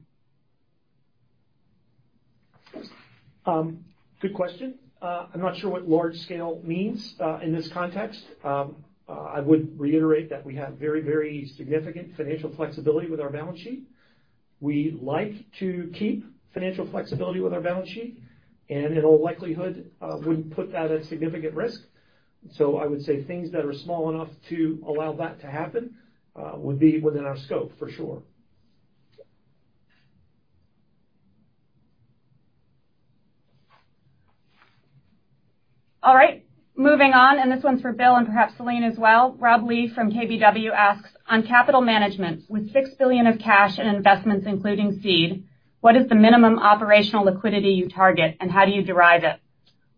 Good question. I'm not sure what large scale means in this context. I would reiterate that we have very significant financial flexibility with our balance sheet. We like to keep financial flexibility with our balance sheet, and in all likelihood wouldn't put that at significant risk. I would say things that are small enough to allow that to happen would be within our scope for sure. All right. Moving on, this one's for Bill Stromberg and perhaps Céline Dufétel as well. Rob Lee from KBW asks, on capital management, with $6 billion of cash and investments, including seed, what is the minimum operational liquidity you target, and how do you derive it?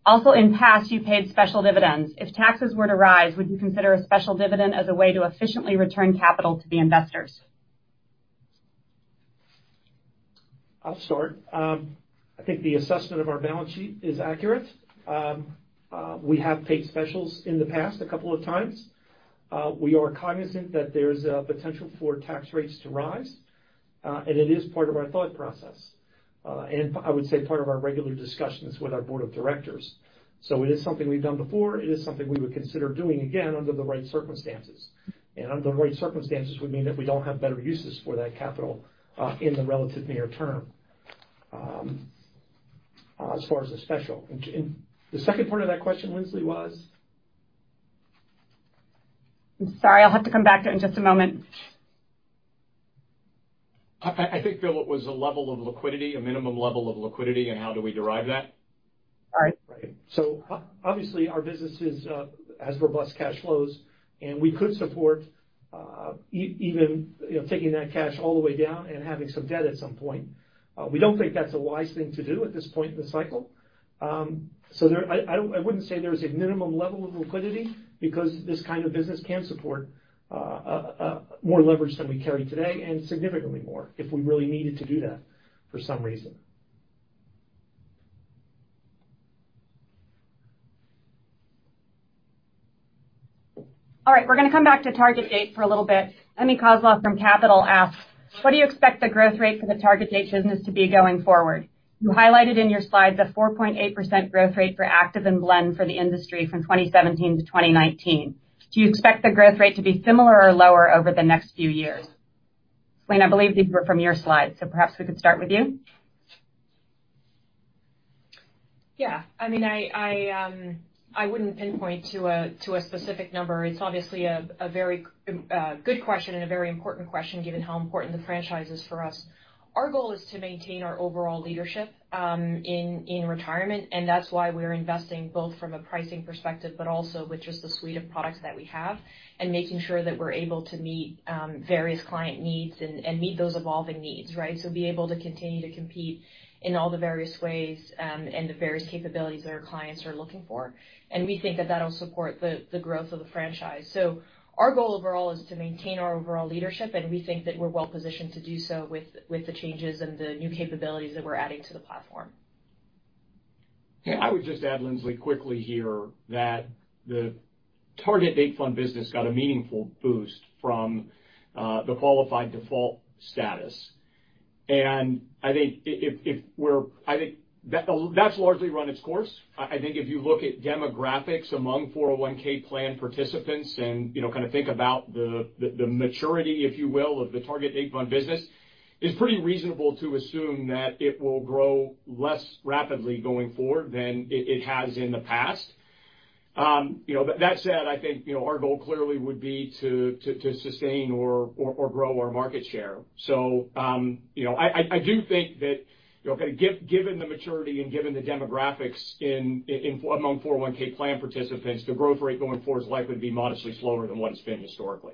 Also, in the past, you paid special dividends. If taxes were to rise, would you consider a special dividend as a way to efficiently return capital to the investors? I'll start. I think the assessment of our balance sheet is accurate. We have paid specials in the past a couple of times. We are cognizant that there's a potential for tax rates to rise, and it is part of our thought process, and I would say part of our regular discussions with our board of directors. It is something we've done before. It is something we would consider doing again under the right circumstances. Under the right circumstances would mean that we don't have better uses for that capital in the relatively near term as far as a special. The second part of that question, Linsley, was? Sorry, I'll have to come back to it in just a moment. I think, Bill, it was a level of liquidity, a minimum level of liquidity, and how do we derive that? Right. Obviously our business has robust cash flows, and we could support even taking that cash all the way down and having some debt at some point. We don't think that's a wise thing to do at this point in the cycle. I wouldn't say there's a minimum level of liquidity because this kind of business can support more leverage than we carry today, and significantly more if we really needed to do that for some reason. All right, we're going to come back to Target-Date for a little bit. Emme Kozloff from Capital asks, what do you expect the growth rate for the Target-Date business to be going forward? You highlighted in your slides a 4.8% growth rate for active and blend for the industry from 2017-2019. Do you expect the growth rate to be similar or lower over the next few years? I believe these were from your slide, so perhaps we could start with you. Yeah. I wouldn't pinpoint to a specific number. It's obviously a very good question and a very important question given how important the franchise is for us. Our goal is to maintain our overall leadership in retirement. That's why we're investing both from a pricing perspective, but also with just the suite of products that we have and making sure that we're able to meet various client needs and meet those evolving needs, right. Be able to continue to compete in all the various ways and the various capabilities that our clients are looking for. We think that that'll support the growth of the franchise. Our goal overall is to maintain our overall leadership, and we think that we're well-positioned to do so with the changes and the new capabilities that we're adding to the platform. I would just add Linsley quickly here that the Target-Date fund business got a meaningful boost from the Qualified Default Status. I think that's largely run its course. I think if you look at demographics among 401(k) plan participants and think about the maturity, if you will, of the Target-Date fund business, it's pretty reasonable to assume that it will grow less rapidly going forward than it has in the past. That said, I think our goal clearly would be to sustain or grow our market share. I do think that given the maturity and given the demographics among 401(k) plan participants, the growth rate going forward is likely to be modestly slower than what it's been historically.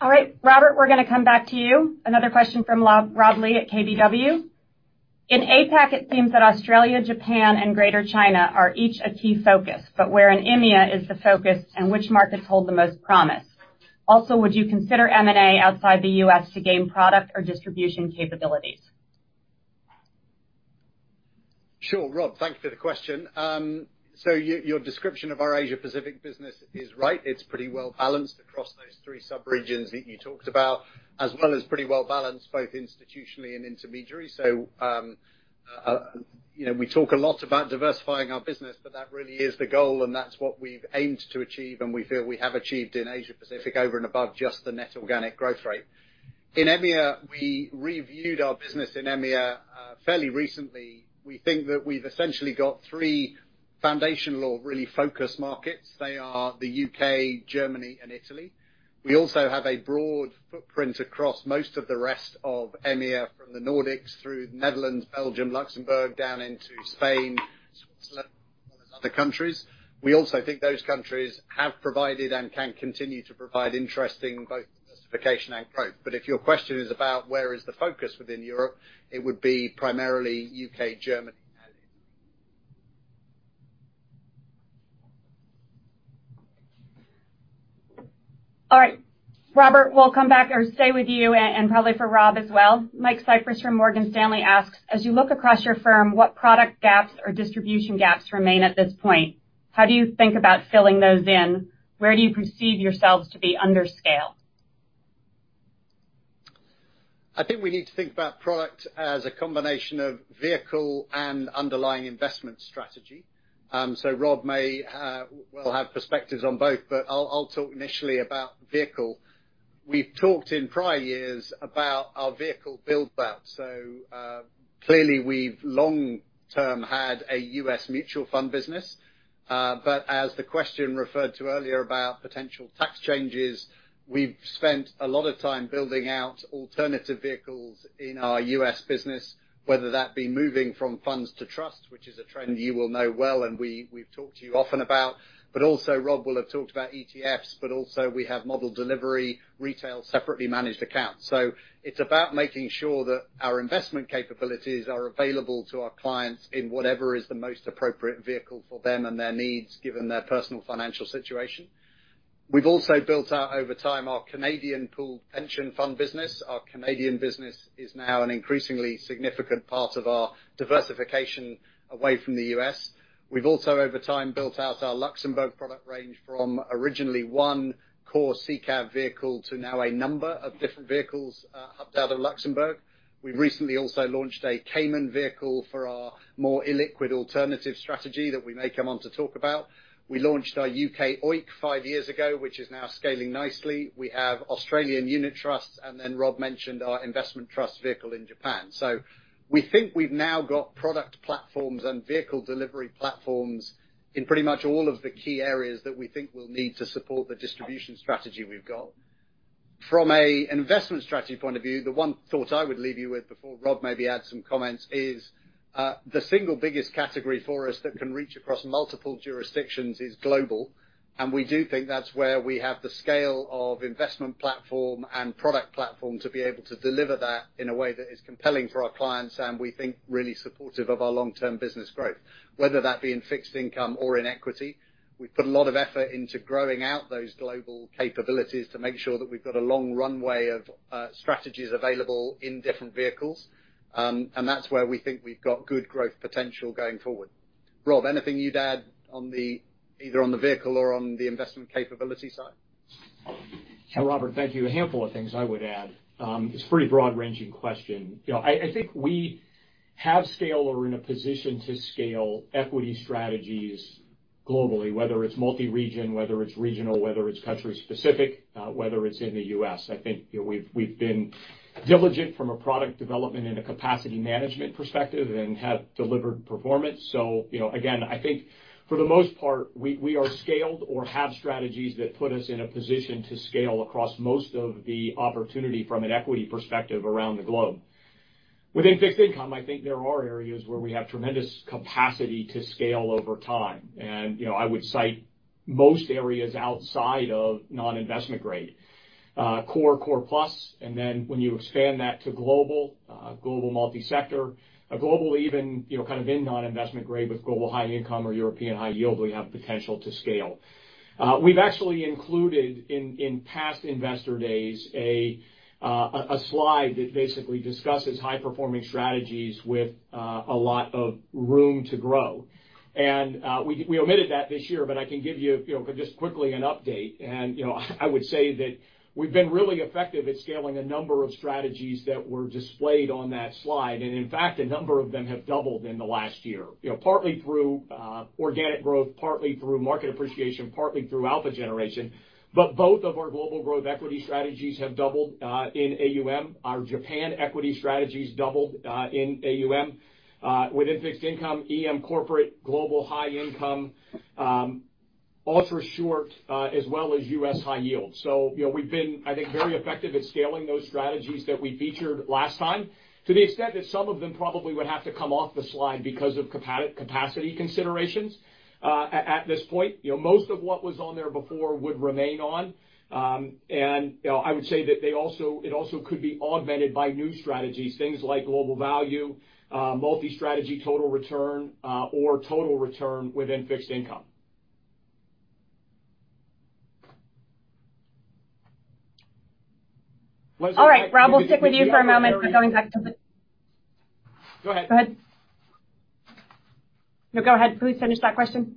All right, Robert, we're going to come back to you. Another question from Rob Lees at KBW. In APAC, it seems that Australia, Japan, and Greater China are each a key focus, but where in EMEA is the focus and which markets hold the most promise? Also, would you consider M&A outside the U.S. to gain product or distribution capabilities? Sure, Rob, thanks for the question. Your description of our Asia-Pacific business is right. It's pretty well-balanced across those three sub-regions that you talked about, as well as pretty well-balanced both institutionally and intermediary. We talk a lot about diversifying our business, but that really is the goal, and that's what we've aimed to achieve, and we feel we have achieved in Asia-Pacific over and above just the net organic growth rate. In EMEA, we reviewed our business in EMEA fairly recently, we think that we've essentially got three foundational or really focused markets. They are the U.K., Germany, and Italy. We also have a broad footprint across most of the rest of EMEA, from the Nordics through the Netherlands, Belgium, Luxembourg, down into Spain, Switzerland, as well as other countries. We also think those countries have provided and can continue to provide interesting both diversification and growth. If your question is about where is the focus within Europe, it would be primarily U.K., Germany, and Italy. All right. Robert, we'll come back or stay with you, and probably for Rob as well. Michael Cyprys from Morgan Stanley asks, as you look across your firm, what product gaps or distribution gaps remain at this point? How do you think about filling those in? Where do you perceive yourselves to be under scale? I think we need to think about product as a combination of vehicle and underlying investment strategy. Rob may well have perspectives on both, but I'll talk initially about vehicle. We've talked in prior years about our vehicle build back. Clearly we've long term had a U.S. mutual fund business. As the question referred to earlier about potential tax changes, we've spent a lot of time building out alternative vehicles in our U.S. business, whether that be moving from funds to trusts, which is a trend you will know well, and we've talked to you often about, but also Rob will have talked about ETFs, but also we have model delivery, retail separately managed accounts. It's about making sure that our investment capabilities are available to our clients in whatever is the most appropriate vehicle for them and their needs, given their personal financial situation. We've also built out over time our Canadian pooled pension fund business. Our Canadian business is now an increasingly significant part of our diversification away from the U.S. We've also, over time, built out our Luxembourg product range from originally one core SICAV vehicle to now a number of different vehicles hubbed out of Luxembourg. We've recently also launched a Cayman vehicle for our more illiquid alternative strategy that we may come on to talk about. We launched our U.K. OEIC five years ago, which is now scaling nicely. We have Australian unit trusts. Rob mentioned our investment trust vehicle in Japan. We think we've now got product platforms and vehicle delivery platforms in pretty much all of the key areas that we think we'll need to support the distribution strategy we've got. From an investment strategy point of view, the one thought I would leave you with before Rob maybe adds some comments is, the single biggest category for us that can reach across multiple jurisdictions is global, and we do think that's where we have the scale of investment platform and product platform to be able to deliver that in a way that is compelling for our clients and we think really supportive of our long-term business growth. Whether that be in fixed income or in equity, we've put a lot of effort into growing out those global capabilities to make sure that we've got a long runway of strategies available in different vehicles. That's where we think we've got good growth potential going forward. Rob, anything you'd add either on the vehicle or on the investment capability side? Yeah, Robert, thank you. A handful of things I would add. It's a pretty broad-ranging question. I think we have scale or are in a position to scale equity strategies globally, whether it's multi-region, whether it's regional, whether it's country-specific, whether it's in the U.S. I think we've been diligent from a product development and a capacity management perspective and have delivered performance. Again, I think for the most part, we are scaled or have strategies that put us in a position to scale across most of the opportunity from an equity perspective around the globe. Within fixed income, I think there are areas where we have tremendous capacity to scale over time, and I would cite most areas outside of non-investment grade. Core, core plus, when you expand that to global, Global Multi-Sector, global even in non-investment grade with Global High Income or European high yield, we have potential to scale. We've actually included, in past investor days, a slide that basically discusses high-performing strategies with a lot of room to grow. We omitted that this year, I can give you just quickly an update. I would say that we've been really effective at scaling a number of strategies that were displayed on that slide. In fact, a number of them have doubled in the last year. Partly through organic growth, partly through market appreciation, partly through alpha generation. Both of our Global Growth Equity strategies have doubled in AUM. Our Japan equity strategies doubled in AUM. Within fixed income, EM Corporate, Global High Income, Ultra Short, as well as U.S. High Yield. We've been, I think, very effective at scaling those strategies that we featured last time to the extent that some of them probably would have to come off the slide because of capacity considerations at this point. Most of what was on there before would remain on. I would say that it also could be augmented by new strategies, things like Global Value, Multi-Strategy Total Return, or Total Return within fixed income. All right, Rob, we'll stick with you for a moment- Go ahead. Go ahead. No, go ahead. Please finish that question.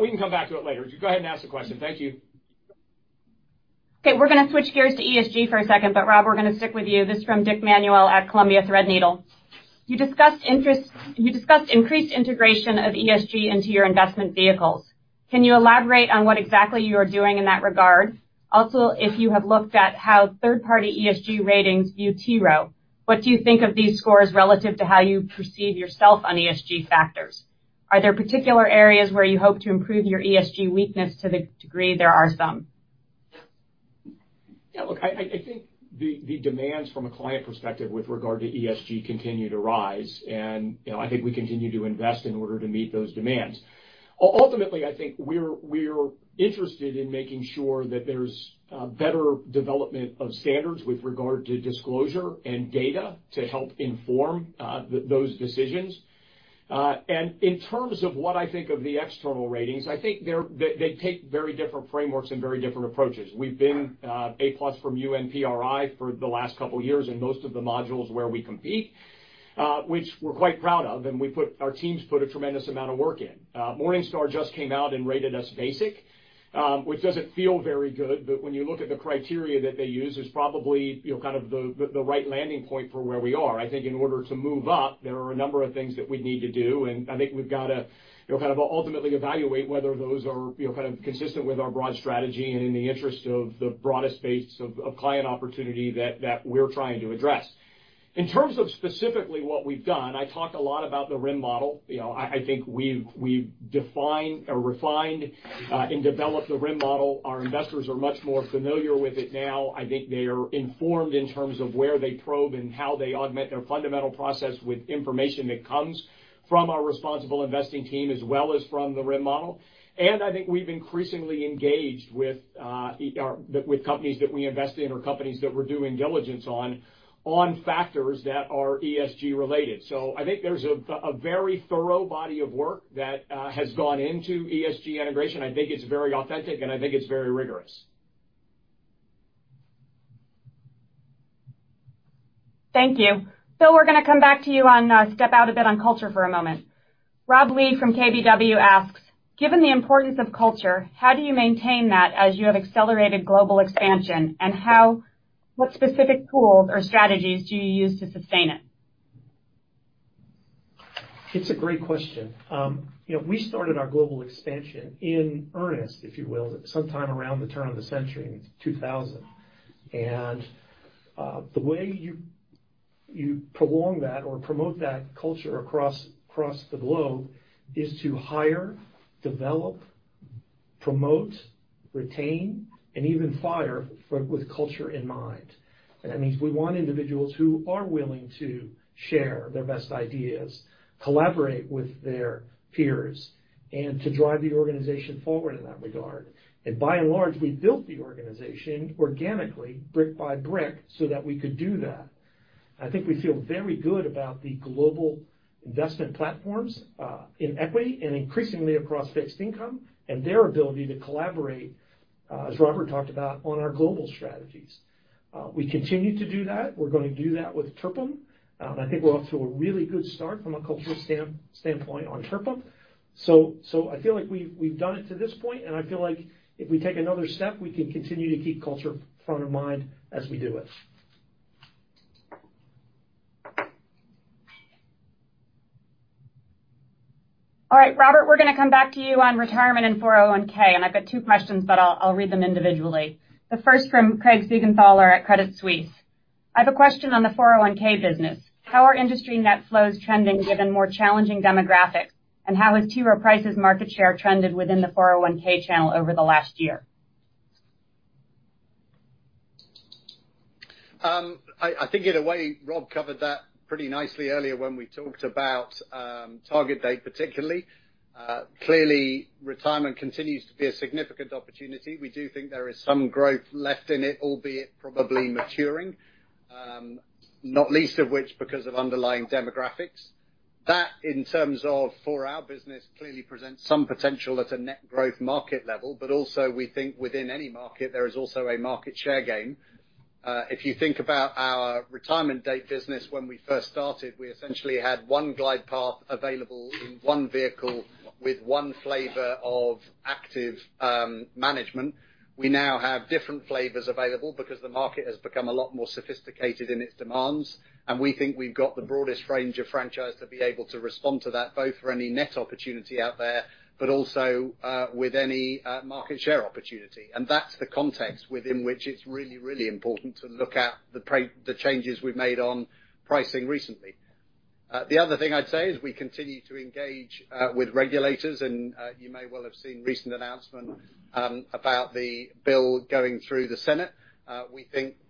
We can come back to it later. Go ahead and ask the question. Thank you. Okay, we're going to switch gears to ESG for a second, Rob, we're going to stick with you. This is from Richard Manuel at Columbia Threadneedle. You discussed increased integration of ESG into your investment vehicles. Can you elaborate on what exactly you are doing in that regard? If you have looked at how third-party ESG ratings view T. Rowe, what do you think of these scores relative to how you perceive yourself on ESG factors? Are there particular areas where you hope to improve your ESG weakness to the degree there are some? Yeah, look, I think the demands from a client perspective with regard to ESG continue to rise. I think we continue to invest in order to meet those demands. Ultimately, I think we're interested in making sure that there's better development of standards with regard to disclosure and data to help inform those decisions. In terms of what I think of the external ratings, I think they take very different frameworks and very different approaches. We've been A+ from UN PRI for the last couple of years in most of the modules where we compete, which we're quite proud of. Our teams put a tremendous amount of work in. Morningstar just came out and rated us basic, which doesn't feel very good. When you look at the criteria that they use, it's probably the right landing point for where we are. I think in order to move up, there are a number of things that we need to do. I think we've got to ultimately evaluate whether those are consistent with our broad strategy and in the interest of the broadest base of client opportunity that we're trying to address. In terms of specifically what we've done, I talk a lot about the RIIM model. I think we've defined or refined and developed the RIIM model. Our investors are much more familiar with it now. I think they are informed in terms of where they probe and how they augment their fundamental process with information that comes from our responsible investing team as well as from the RIIM model. I think we've increasingly engaged with companies that we invest in or companies that we're doing diligence on factors that are ESG related. I think there's a very thorough body of work that has gone into ESG integration. I think it's very authentic, and I think it's very rigorous. Thank you. Bill, we're going to come back to you and step out a bit on culture for a moment. Rob Lee from KBW asks, given the importance of culture, how do you maintain that as you have accelerated global expansion, and what specific tools or strategies do you use to sustain it? It's a great question. We started our global expansion in earnest, if you will, at some time around the turn of the century, 2000. The way you prolong that or promote that culture across the globe is to hire, develop, promote, retain, and even fire with culture in mind. That means we want individuals who are willing to share their best ideas, collaborate with their peers, and to drive the organization forward in that regard. By and large, we built the organization organically, brick by brick, so that we could do that. I think we feel very good about the global investment platforms in equity and increasingly across fixed income and their ability to collaborate, as Robert talked about on our global strategies. We continue to do that. We're going to do that with TRPIM. I think we're off to a really good start from a culture standpoint on TRPIM. I feel like we've done it to this point, and I feel like if we take another step, we can continue to keep culture front of mind as we do it. All right, Robert, we're going to come back to you on retirement and 401. I've got two questions, but I'll read them individually. The first from Craig Siegenthaler at Credit Suisse. I have a question on the 401 business. How are industry net flows trending given more challenging demographics, and how has T. Rowe Price's market share trended within the 401 channel over the last year? I think in a way, Rob covered that pretty nicely earlier when we talked about Target Date, particularly. Clearly, retirement continues to be a significant opportunity. We do think there is some growth left in it, albeit probably maturing, not least of which because of underlying demographics. That in terms of for our business, clearly presents some potential at a net growth market level. We think within any market, there is also a market share game. If you think about our retirement date business, when we first started, we essentially had one glide path available in one vehicle with one flavor of active management. We now have different flavors available because the market has become a lot more sophisticated in its demands. We think we've got the broadest range of franchise to be able to respond to that, both for any net opportunity out there, also with any market share opportunity. That's the context within which it's really, really important to look at the changes we've made on pricing recently. The other thing I'd say is we continue to engage with regulators. You may well have seen recent announcement about the bill going through the Senate.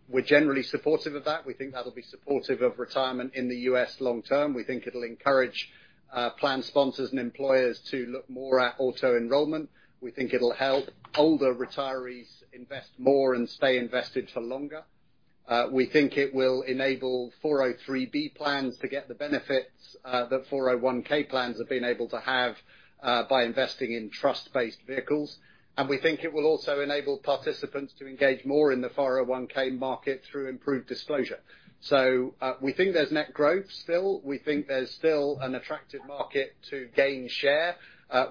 We're generally supportive of that. We think that'll be supportive of retirement in the U.S. long term. We think it'll encourage plan sponsors and employers to look more at auto-enrollment. We think it'll help older retirees invest more and stay invested for longer. We think it will enable 403 plans to get the benefits that 401 plans have been able to have by investing in trust-based vehicles. We think it will also enable participants to engage more in the 401 market through improved disclosure. We think there's net growth still. We think there's still an attractive market to gain share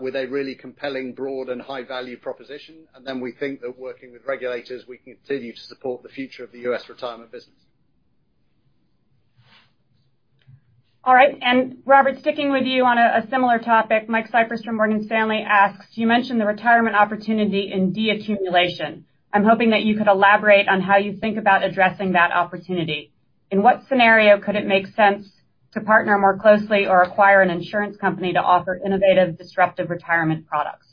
with a really compelling broad and high-value proposition. We think that working with regulators, we can continue to support the future of the U.S. retirement business. All right. Robert, sticking with you on a similar topic, Michael Cyprys from Morgan Stanley asks, you mentioned the retirement opportunity in decumulation. I'm hoping that you could elaborate on how you think about addressing that opportunity. In what scenario could it make sense to partner more closely or acquire an insurance company to offer innovative disruptive retirement products?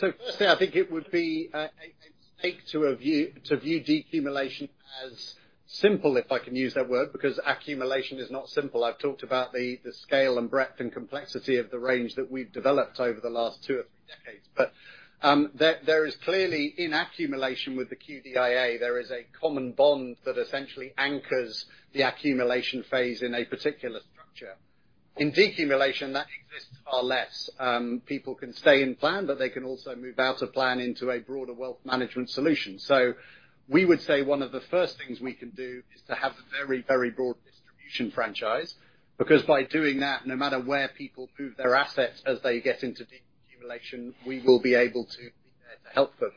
Firstly, I think it would be a mistake to view decumulation as simple, if I can use that word, because accumulation is not simple. I've talked about the scale and breadth and complexity of the range that we've developed over the last two or three decades. There is clearly in accumulation with the QDIA, there is a common bond that essentially anchors the accumulation phase in a particular structure. In decumulation that exists far less. People can stay in plan, but they can also move out of plan into a broader wealth management solution. We would say one of the first things we can do is to have a very broad distribution franchise, because by doing that, no matter where people move their assets as they get into decumulation, we will be able to be there to help them.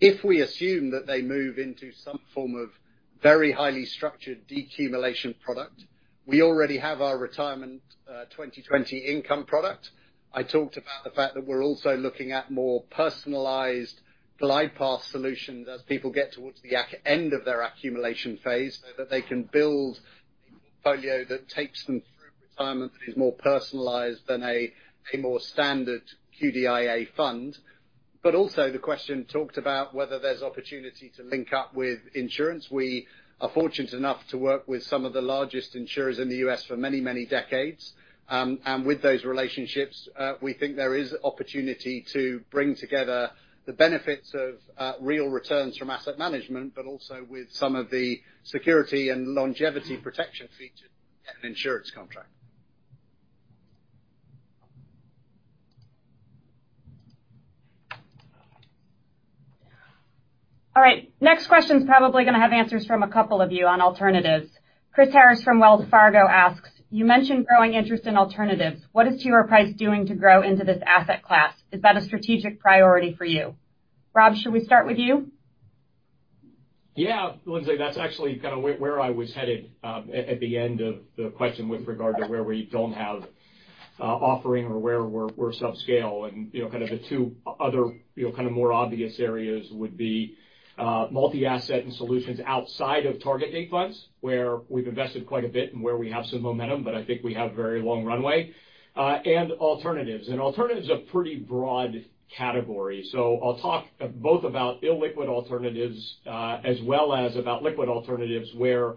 If we assume that they move into some form of very highly structured decumulation product, we already have our Retirement 2020 income product. I talked about the fact that we're also looking at more personalized glide path solutions as people get towards the end of their accumulation phase, so that they can build a portfolio that takes them through retirement that is more personalized than a more standard QDIA fund. Also the question talked about whether there's opportunity to link up with insurance. We are fortunate enough to work with some of the largest insurers in the U.S. for many, many decades. With those relationships, we think there is opportunity to bring together the benefits of real returns from asset management, but also with some of the security and longevity protection features of an insurance contract. All right. Next question is probably going to have answers from a couple of you on alternatives. Chris Harris from Wells Fargo asks, you mentioned growing interest in alternatives. What is T. Rowe Price doing to grow into this asset class? Is that a Strategic Plan priority for you? Rob, should we start with you? Yeah, Linsley, that's actually where I was headed at the end of the question with regard to where we don't have offering or where we're subscale and the two other more obvious areas would be multi-asset and solutions outside of Target Date funds, where we've invested quite a bit and where we have some momentum, but I think we have very long runway, and alternatives. Alternatives are a pretty broad category. I'll talk both about illiquid alternatives as well as about liquid alternatives where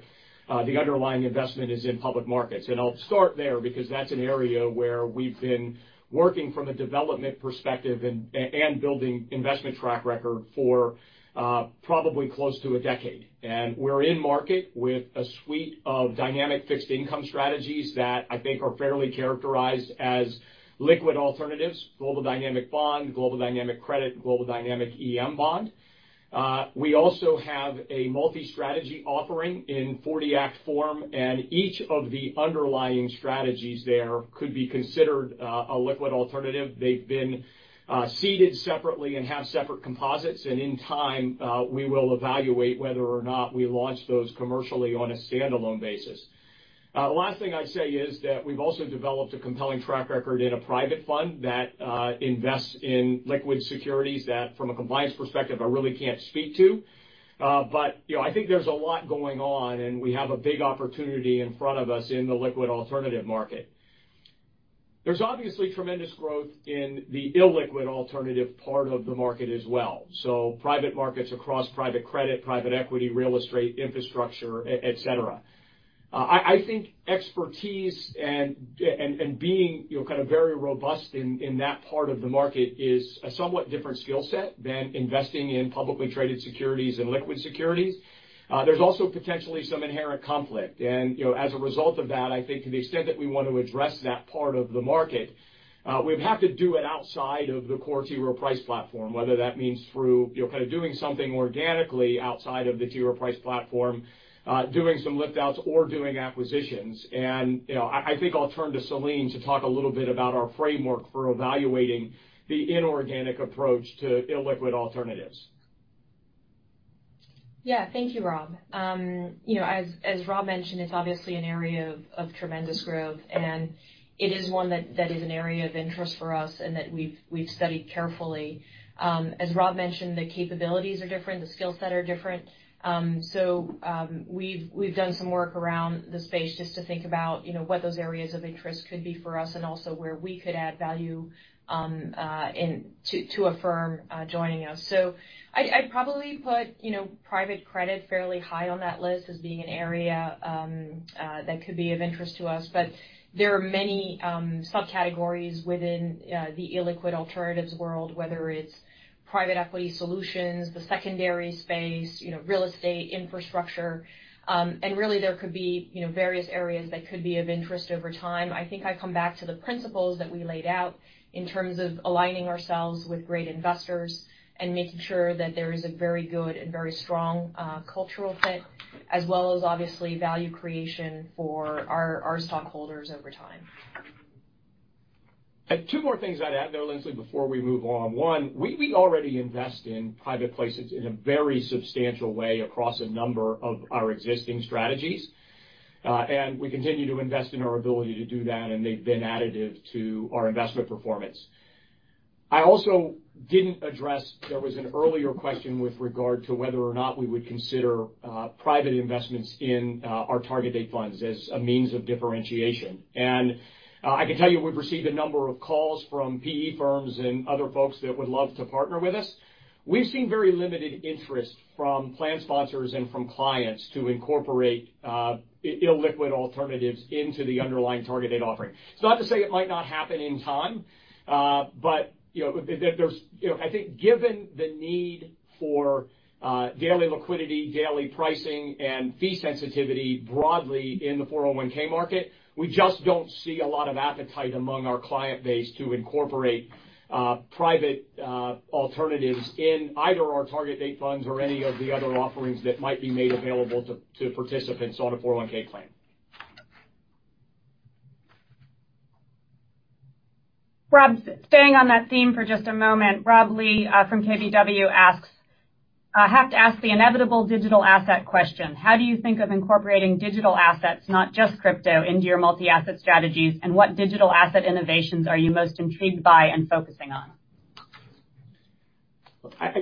the underlying investment is in public markets. I'll start there because that's an area where we've been working from a development perspective and building investment track record for probably close to a decade. We're in market with a suite of dynamic fixed income strategies that I think are fairly characterized as liquid alternatives, Global Dynamic Bond, Global Dynamic Credit, Global Dynamic EM Bond. We also have a multi-strategy offering in 40 Act form, and each of the underlying strategies there could be considered a liquid alternative. They've been seeded separately and have separate composites, and in time, we will evaluate whether or not we launch those commercially on a standalone basis. Last thing I'd say is that we've also developed a compelling track record in a private fund that invests in liquid securities that from a compliance perspective, I really can't speak to. I think there's a lot going on, and we have a big opportunity in front of us in the liquid alternative market. There's obviously tremendous growth in the illiquid alternative part of the market as well. Private markets across private credit, private equity, real estate, infrastructure, et cetera. I think expertise and being very robust in that part of the market is a somewhat different skill set than investing in publicly traded securities and liquid securities. There's also potentially some inherent conflict. As a result of that, I think to the extent that we want to address that part of the market, we'd have to do it outside of the core T. Rowe Price platform, whether that means through doing something organically outside of the T. Rowe Price platform, doing some lift outs or doing acquisitions. I think I'll turn to Céline to talk a little bit about our framework for evaluating the inorganic approach to illiquid alternatives. Thank you, Rob. As Rob mentioned, it's obviously an area of tremendous growth, and it is one that is an area of interest for us and that we've studied carefully. As Rob mentioned, the capabilities are different, the skill sets are different. We've done some work around the space just to think about what those areas of interest could be for us and also where we could add value to a firm joining us. I'd probably put private credit fairly high on that list as being an area that could be of interest to us. There are many subcategories within the illiquid alternatives world, whether it's private equity solutions, the secondary space, real estate, infrastructure. Really there could be various areas that could be of interest over time. I think I come back to the principles that we laid out in terms of aligning ourselves with great investors and making sure that there is a very good and very strong cultural fit, as well as obviously value creation for our stockholders over time. Two more things I'd add there, Linsley, before we move on. One, we already invest in private placements in a very substantial way across a number of our existing strategies. We continue to invest in our ability to do that, and they've been additive to our investment performance. I also didn't address, there was an earlier question with regard to whether or not we would consider private investments in our Target Date funds as a means of differentiation. I can tell you, we've received a number of calls from PE firms and other folks that would love to partner with us. We've seen very limited interest from plan sponsors and from clients to incorporate illiquid alternatives into the underlying targeted offering. It's not to say it might not happen in time, but I think given the need for daily liquidity, daily pricing, and fee sensitivity broadly in the 401(k) market, we just don't see a lot of appetite among our client base to incorporate private alternatives in either our Target Date funds or any of the other offerings that might be made available to participants on a 401(k) plan. Rob, staying on that theme for just a moment. Rob Lees from KBW asks, I have to ask the inevitable digital asset question. How do you think of incorporating digital assets, not just crypto, into your multi-asset strategies, and what digital asset innovations are you most intrigued by and focusing on?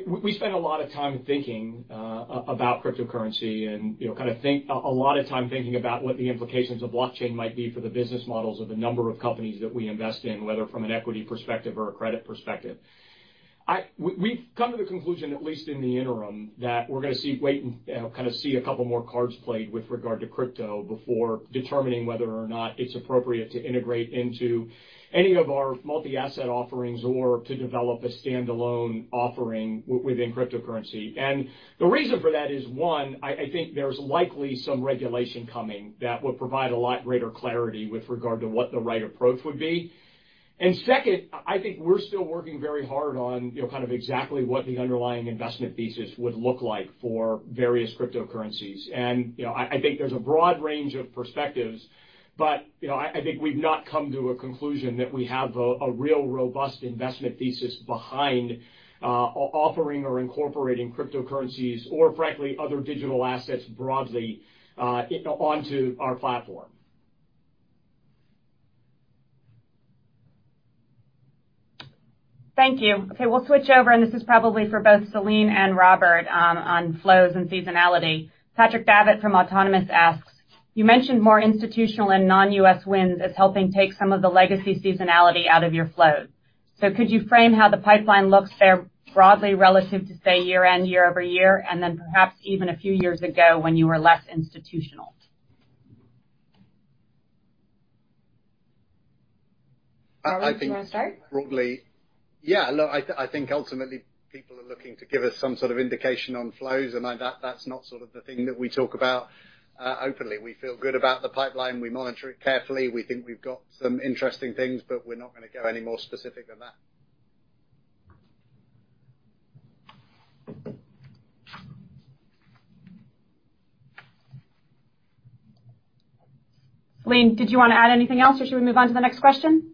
We spend a lot of time thinking about cryptocurrency and a lot of time thinking about what the implications of blockchain might be for the business models of a number of companies that we invest in, whether from an equity perspective or a credit perspective. We've come to the conclusion, at least in the interim, that we're going to see a couple more cards played with regard to crypto before determining whether or not it's appropriate to integrate into any of our multi-asset offerings or to develop a standalone offering within cryptocurrency. The reason for that is, one, I think there's likely some regulation coming that would provide a lot greater clarity with regard to what the right approach would be. Second, I think we're still working very hard on exactly what the underlying investment thesis would look like for various cryptocurrencies. I think there's a broad range of perspectives, but I think we've not come to a conclusion that we have a real robust investment thesis behind offering or incorporating cryptocurrencies or frankly, other digital assets broadly onto our platform. Thank you. We'll switch over, and this is probably for both Céline and Robert on flows and seasonality. Patrick Davitt from Autonomous asks, you mentioned more institutional and non-U.S. wins as helping take some of the legacy seasonality out of your flows. Could you frame how the pipeline looks there broadly relative to, say, year-end, year-over-year, and then perhaps even a few years ago when you were less institutional? Robert, do you want to start? Yeah. Look, I think ultimately people are looking to give us some sort of indication on flows. That's not sort of the thing that we talk about openly. We feel good about the pipeline. We monitor it carefully. We think we've got some interesting things. We're not going to go any more specific than that. Céline, did you want to add anything else, or should we move on to the next question?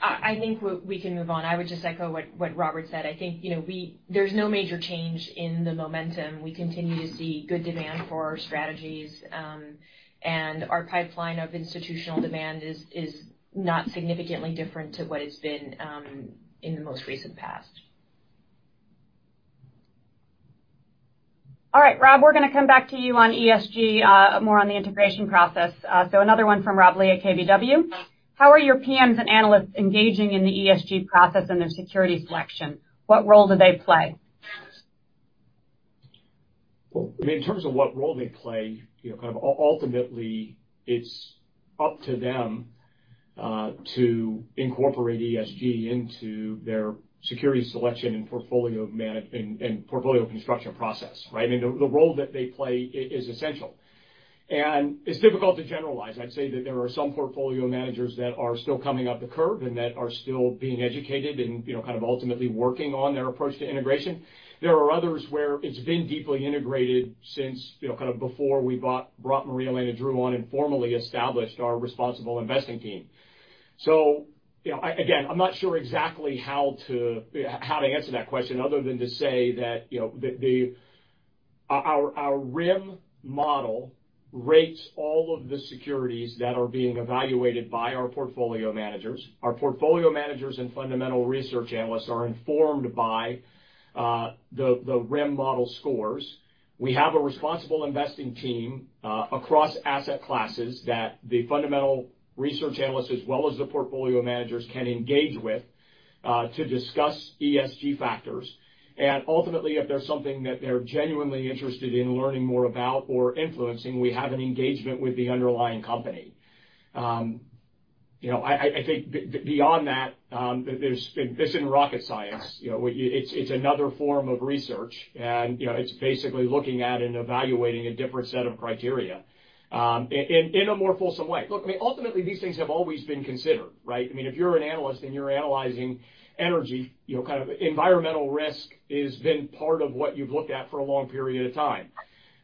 I think we can move on. I would just echo what Robert said. I think there's no major change in the momentum. We continue to see good demand for our strategies, and our pipeline of institutional demand is not significantly different to what it's been in the most recent past. All right, Rob, we're going to come back to you on ESG, more on the integration process. Another one from Rob Lee at KBW. How are your PMs and analysts engaging in the ESG process and their security selection? What role do they play? In terms of what role they play, ultimately it's up to them to incorporate ESG into their security selection and portfolio construction process, right? The role that they play is essential. It's difficult to generalize. I'd say that there are some portfolio managers that are still coming up the curve and that are still being educated and ultimately working on their approach to integration. There are others where it's been deeply integrated since before we brought Maria Elena Drew on and formally established our responsible investing team. Again, I'm not sure exactly how to answer that question other than to say that our RIIM model rates all of the securities that are being evaluated by our portfolio managers. Our portfolio managers and fundamental research analysts are informed by the RIIM model scores. We have a responsible investing team across asset classes that the fundamental research analysts, as well as the portfolio managers, can engage with to discuss ESG factors. Ultimately, if there's something that they're genuinely interested in learning more about or influencing, we have an engagement with the underlying company. I think beyond that, this isn't rocket science. It's another form of research, it's basically looking at and evaluating a different set of criteria in a more fulsome way. Look, ultimately, these things have always been considered, right? If you're an analyst and you're analyzing energy, environmental risk has been part of what you've looked at for a long period of time.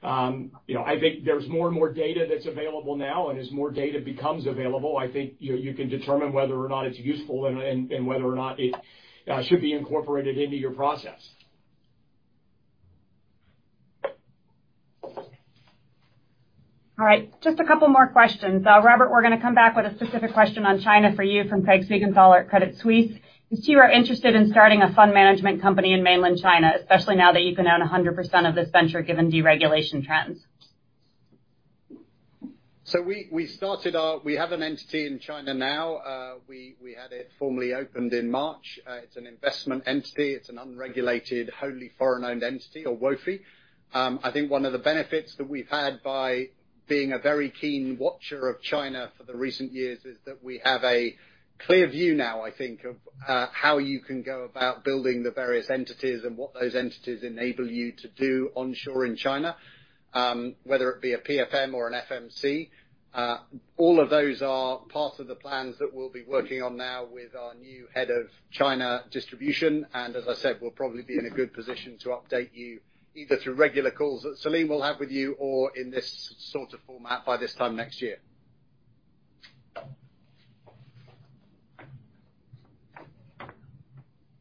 I think there's more and more data that's available now, as more data becomes available, I think you can determine whether or not it's useful and whether or not it should be incorporated into your process. All right. Just a couple more questions. Robert, we're going to come back with a specific question on China for you from Craig Siegenthaler at Credit Suisse. You two are interested in starting a fund management company in mainland China, especially now that you can own 100% of this venture, given deregulation trends. We have an entity in China now. We had it formally opened in March. It's an investment entity. It's an unregulated, wholly foreign-owned entity or WFOE. I think one of the benefits that we've had by being a very keen watcher of China for the recent years is that we have a clear view now, I think, of how you can go about building the various entities and what those entities enable you to do onshore in China, whether it be a PFM or an FMC. All of those are part of the plans that we'll be working on now with our new head of China distribution. As I said, we'll probably be in a good position to update you either through regular calls that Céline will have with you or in this sort of format by this time next year.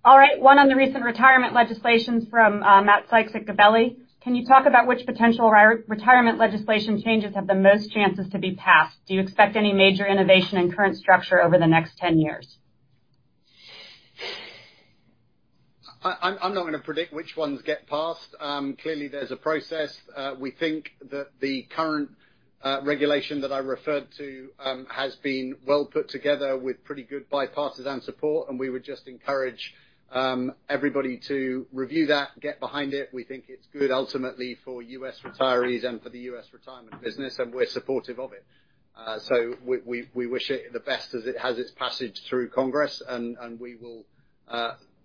All right, one on the recent retirement legislations from Macrae Sykes at Gabelli. Can you talk about which potential retirement legislation changes have the most chances to be passed? Do you expect any major innovation in current structure over the next 10 years? I'm not going to predict which ones get passed. Clearly, there's a process. We think that the current regulation that I referred to has been well put together with pretty good bipartisan support, and we would just encourage everybody to review that, get behind it. We think it's good ultimately for U.S. retirees and for the U.S. retirement business, and we're supportive of it. We wish it the best as it has its passage through Congress, and we will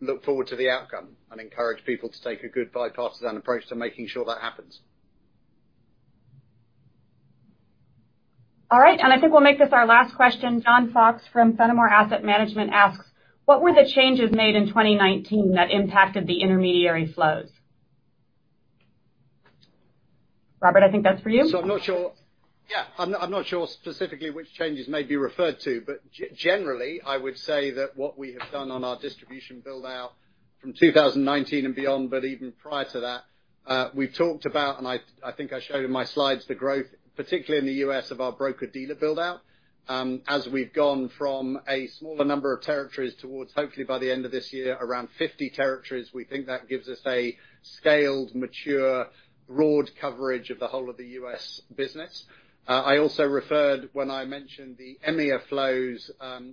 look forward to the outcome and encourage people to take a good bipartisan approach to making sure that happens. All right. I think we'll make this our last question. John Fox from Fenimore Asset Management asks, what were the changes made in 2019 that impacted the intermediary flows? Robert, I think that's for you. Yeah. I am not sure specifically which changes may be referred to, but generally, I would say that what we have done on our distribution build-out from 2019 and beyond, but even prior to that, we have talked about, and I think I showed in my slides, the growth, particularly in the U.S., of our broker-dealer build-out. As we have gone from a smaller number of territories towards hopefully by the end of this year, around 50 territories. We think that gives us a scaled, mature, broad coverage of the whole of the U.S. business. I also referred when I mentioned the EMEA flows,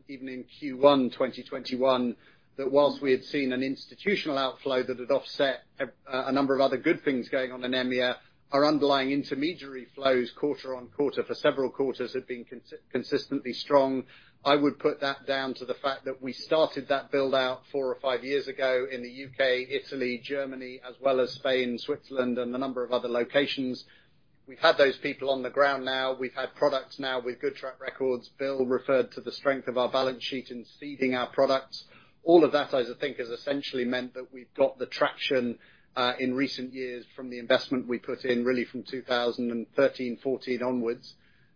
even in Q1 2021, that whilst we had seen an institutional outflow that had offset a number of other good things going on in EMEA, our underlying intermediary flows quarter-on-quarter for several quarters had been consistently strong. I would put that down to the fact that we started that build-out four or five years ago in the U.K., Italy, Germany, as well as Spain, Switzerland, and a number of other locations. We've had those people on the ground now. We've had products now with good track records. Bill referred to the strength of our balance sheet in seeding our products. All of that, I think, has essentially meant that we've got the traction in recent years from the investment we put in, really from 2013, 2014 onwards.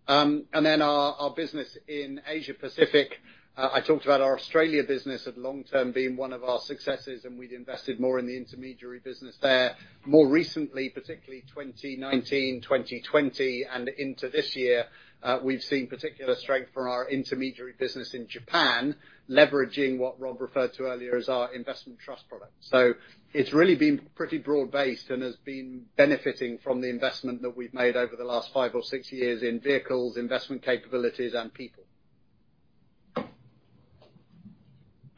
Our business in Asia-Pacific, I talked about our Australia business at long-term being one of our successes, and we'd invested more in the intermediary business there. More recently, particularly 2019, 2020, and into this year, we've seen particular strength from our intermediary business in Japan, leveraging what Rob referred to earlier as our investment trust product. It's really been pretty broad-based and has been benefiting from the investment that we've made over the last five or six years in vehicles, investment capabilities, and people.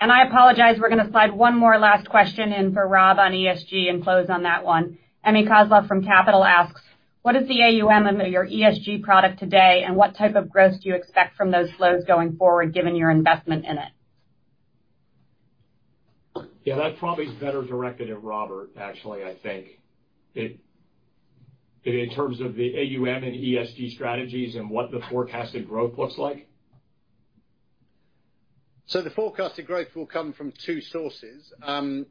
I apologize, we're going to slide one more last question in for Rob on ESG and close on that one. Emme Kozloff from Capital asks, what is the AUM of your ESG product today, and what type of growth do you expect from those flows going forward given your investment in it? That probably is better directed at Robert, actually, I think. In terms of the AUM and ESG strategies and what the forecasted growth looks like. The forecasted growth will come from two sources.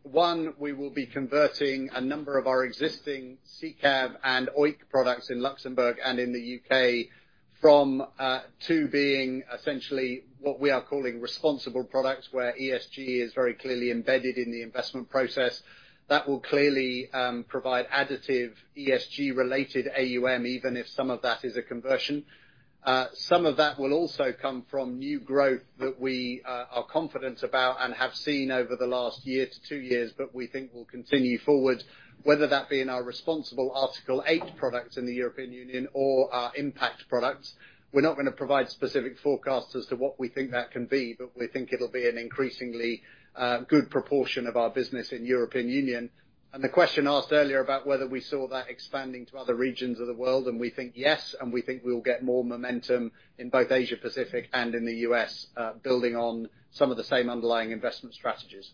One, we will be converting a number of our existing SICAV and OEIC products in Luxembourg and in the U.K. from two being essentially what we are calling responsible products, where ESG is very clearly embedded in the investment process. That will clearly provide additive ESG-related AUM, even if some of that is a conversion. Some of that will also come from new growth that we are confident about and have seen over the last year to two years, but we think will continue forward, whether that be in our responsible Article 8 products in the European Union or our impact products. We're not going to provide specific forecasts as to what we think that can be, but we think it'll be an increasingly good proportion of our business in European Union. The question asked earlier about whether we saw that expanding to other regions of the world, and we think, yes, and we think we will get more momentum in both Asia-Pacific and in the U.S., building on some of the same underlying investment strategies.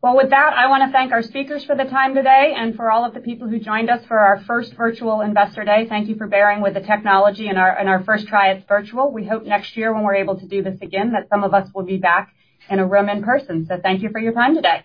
Well, with that, I want to thank our speakers for the time today and for all of the people who joined us for our first Virtual Investor Day. Thank you for bearing with the technology in our first try at virtual. We hope next year when we're able to do this again, that some of us will be back in a room in person. Thank you for your time today.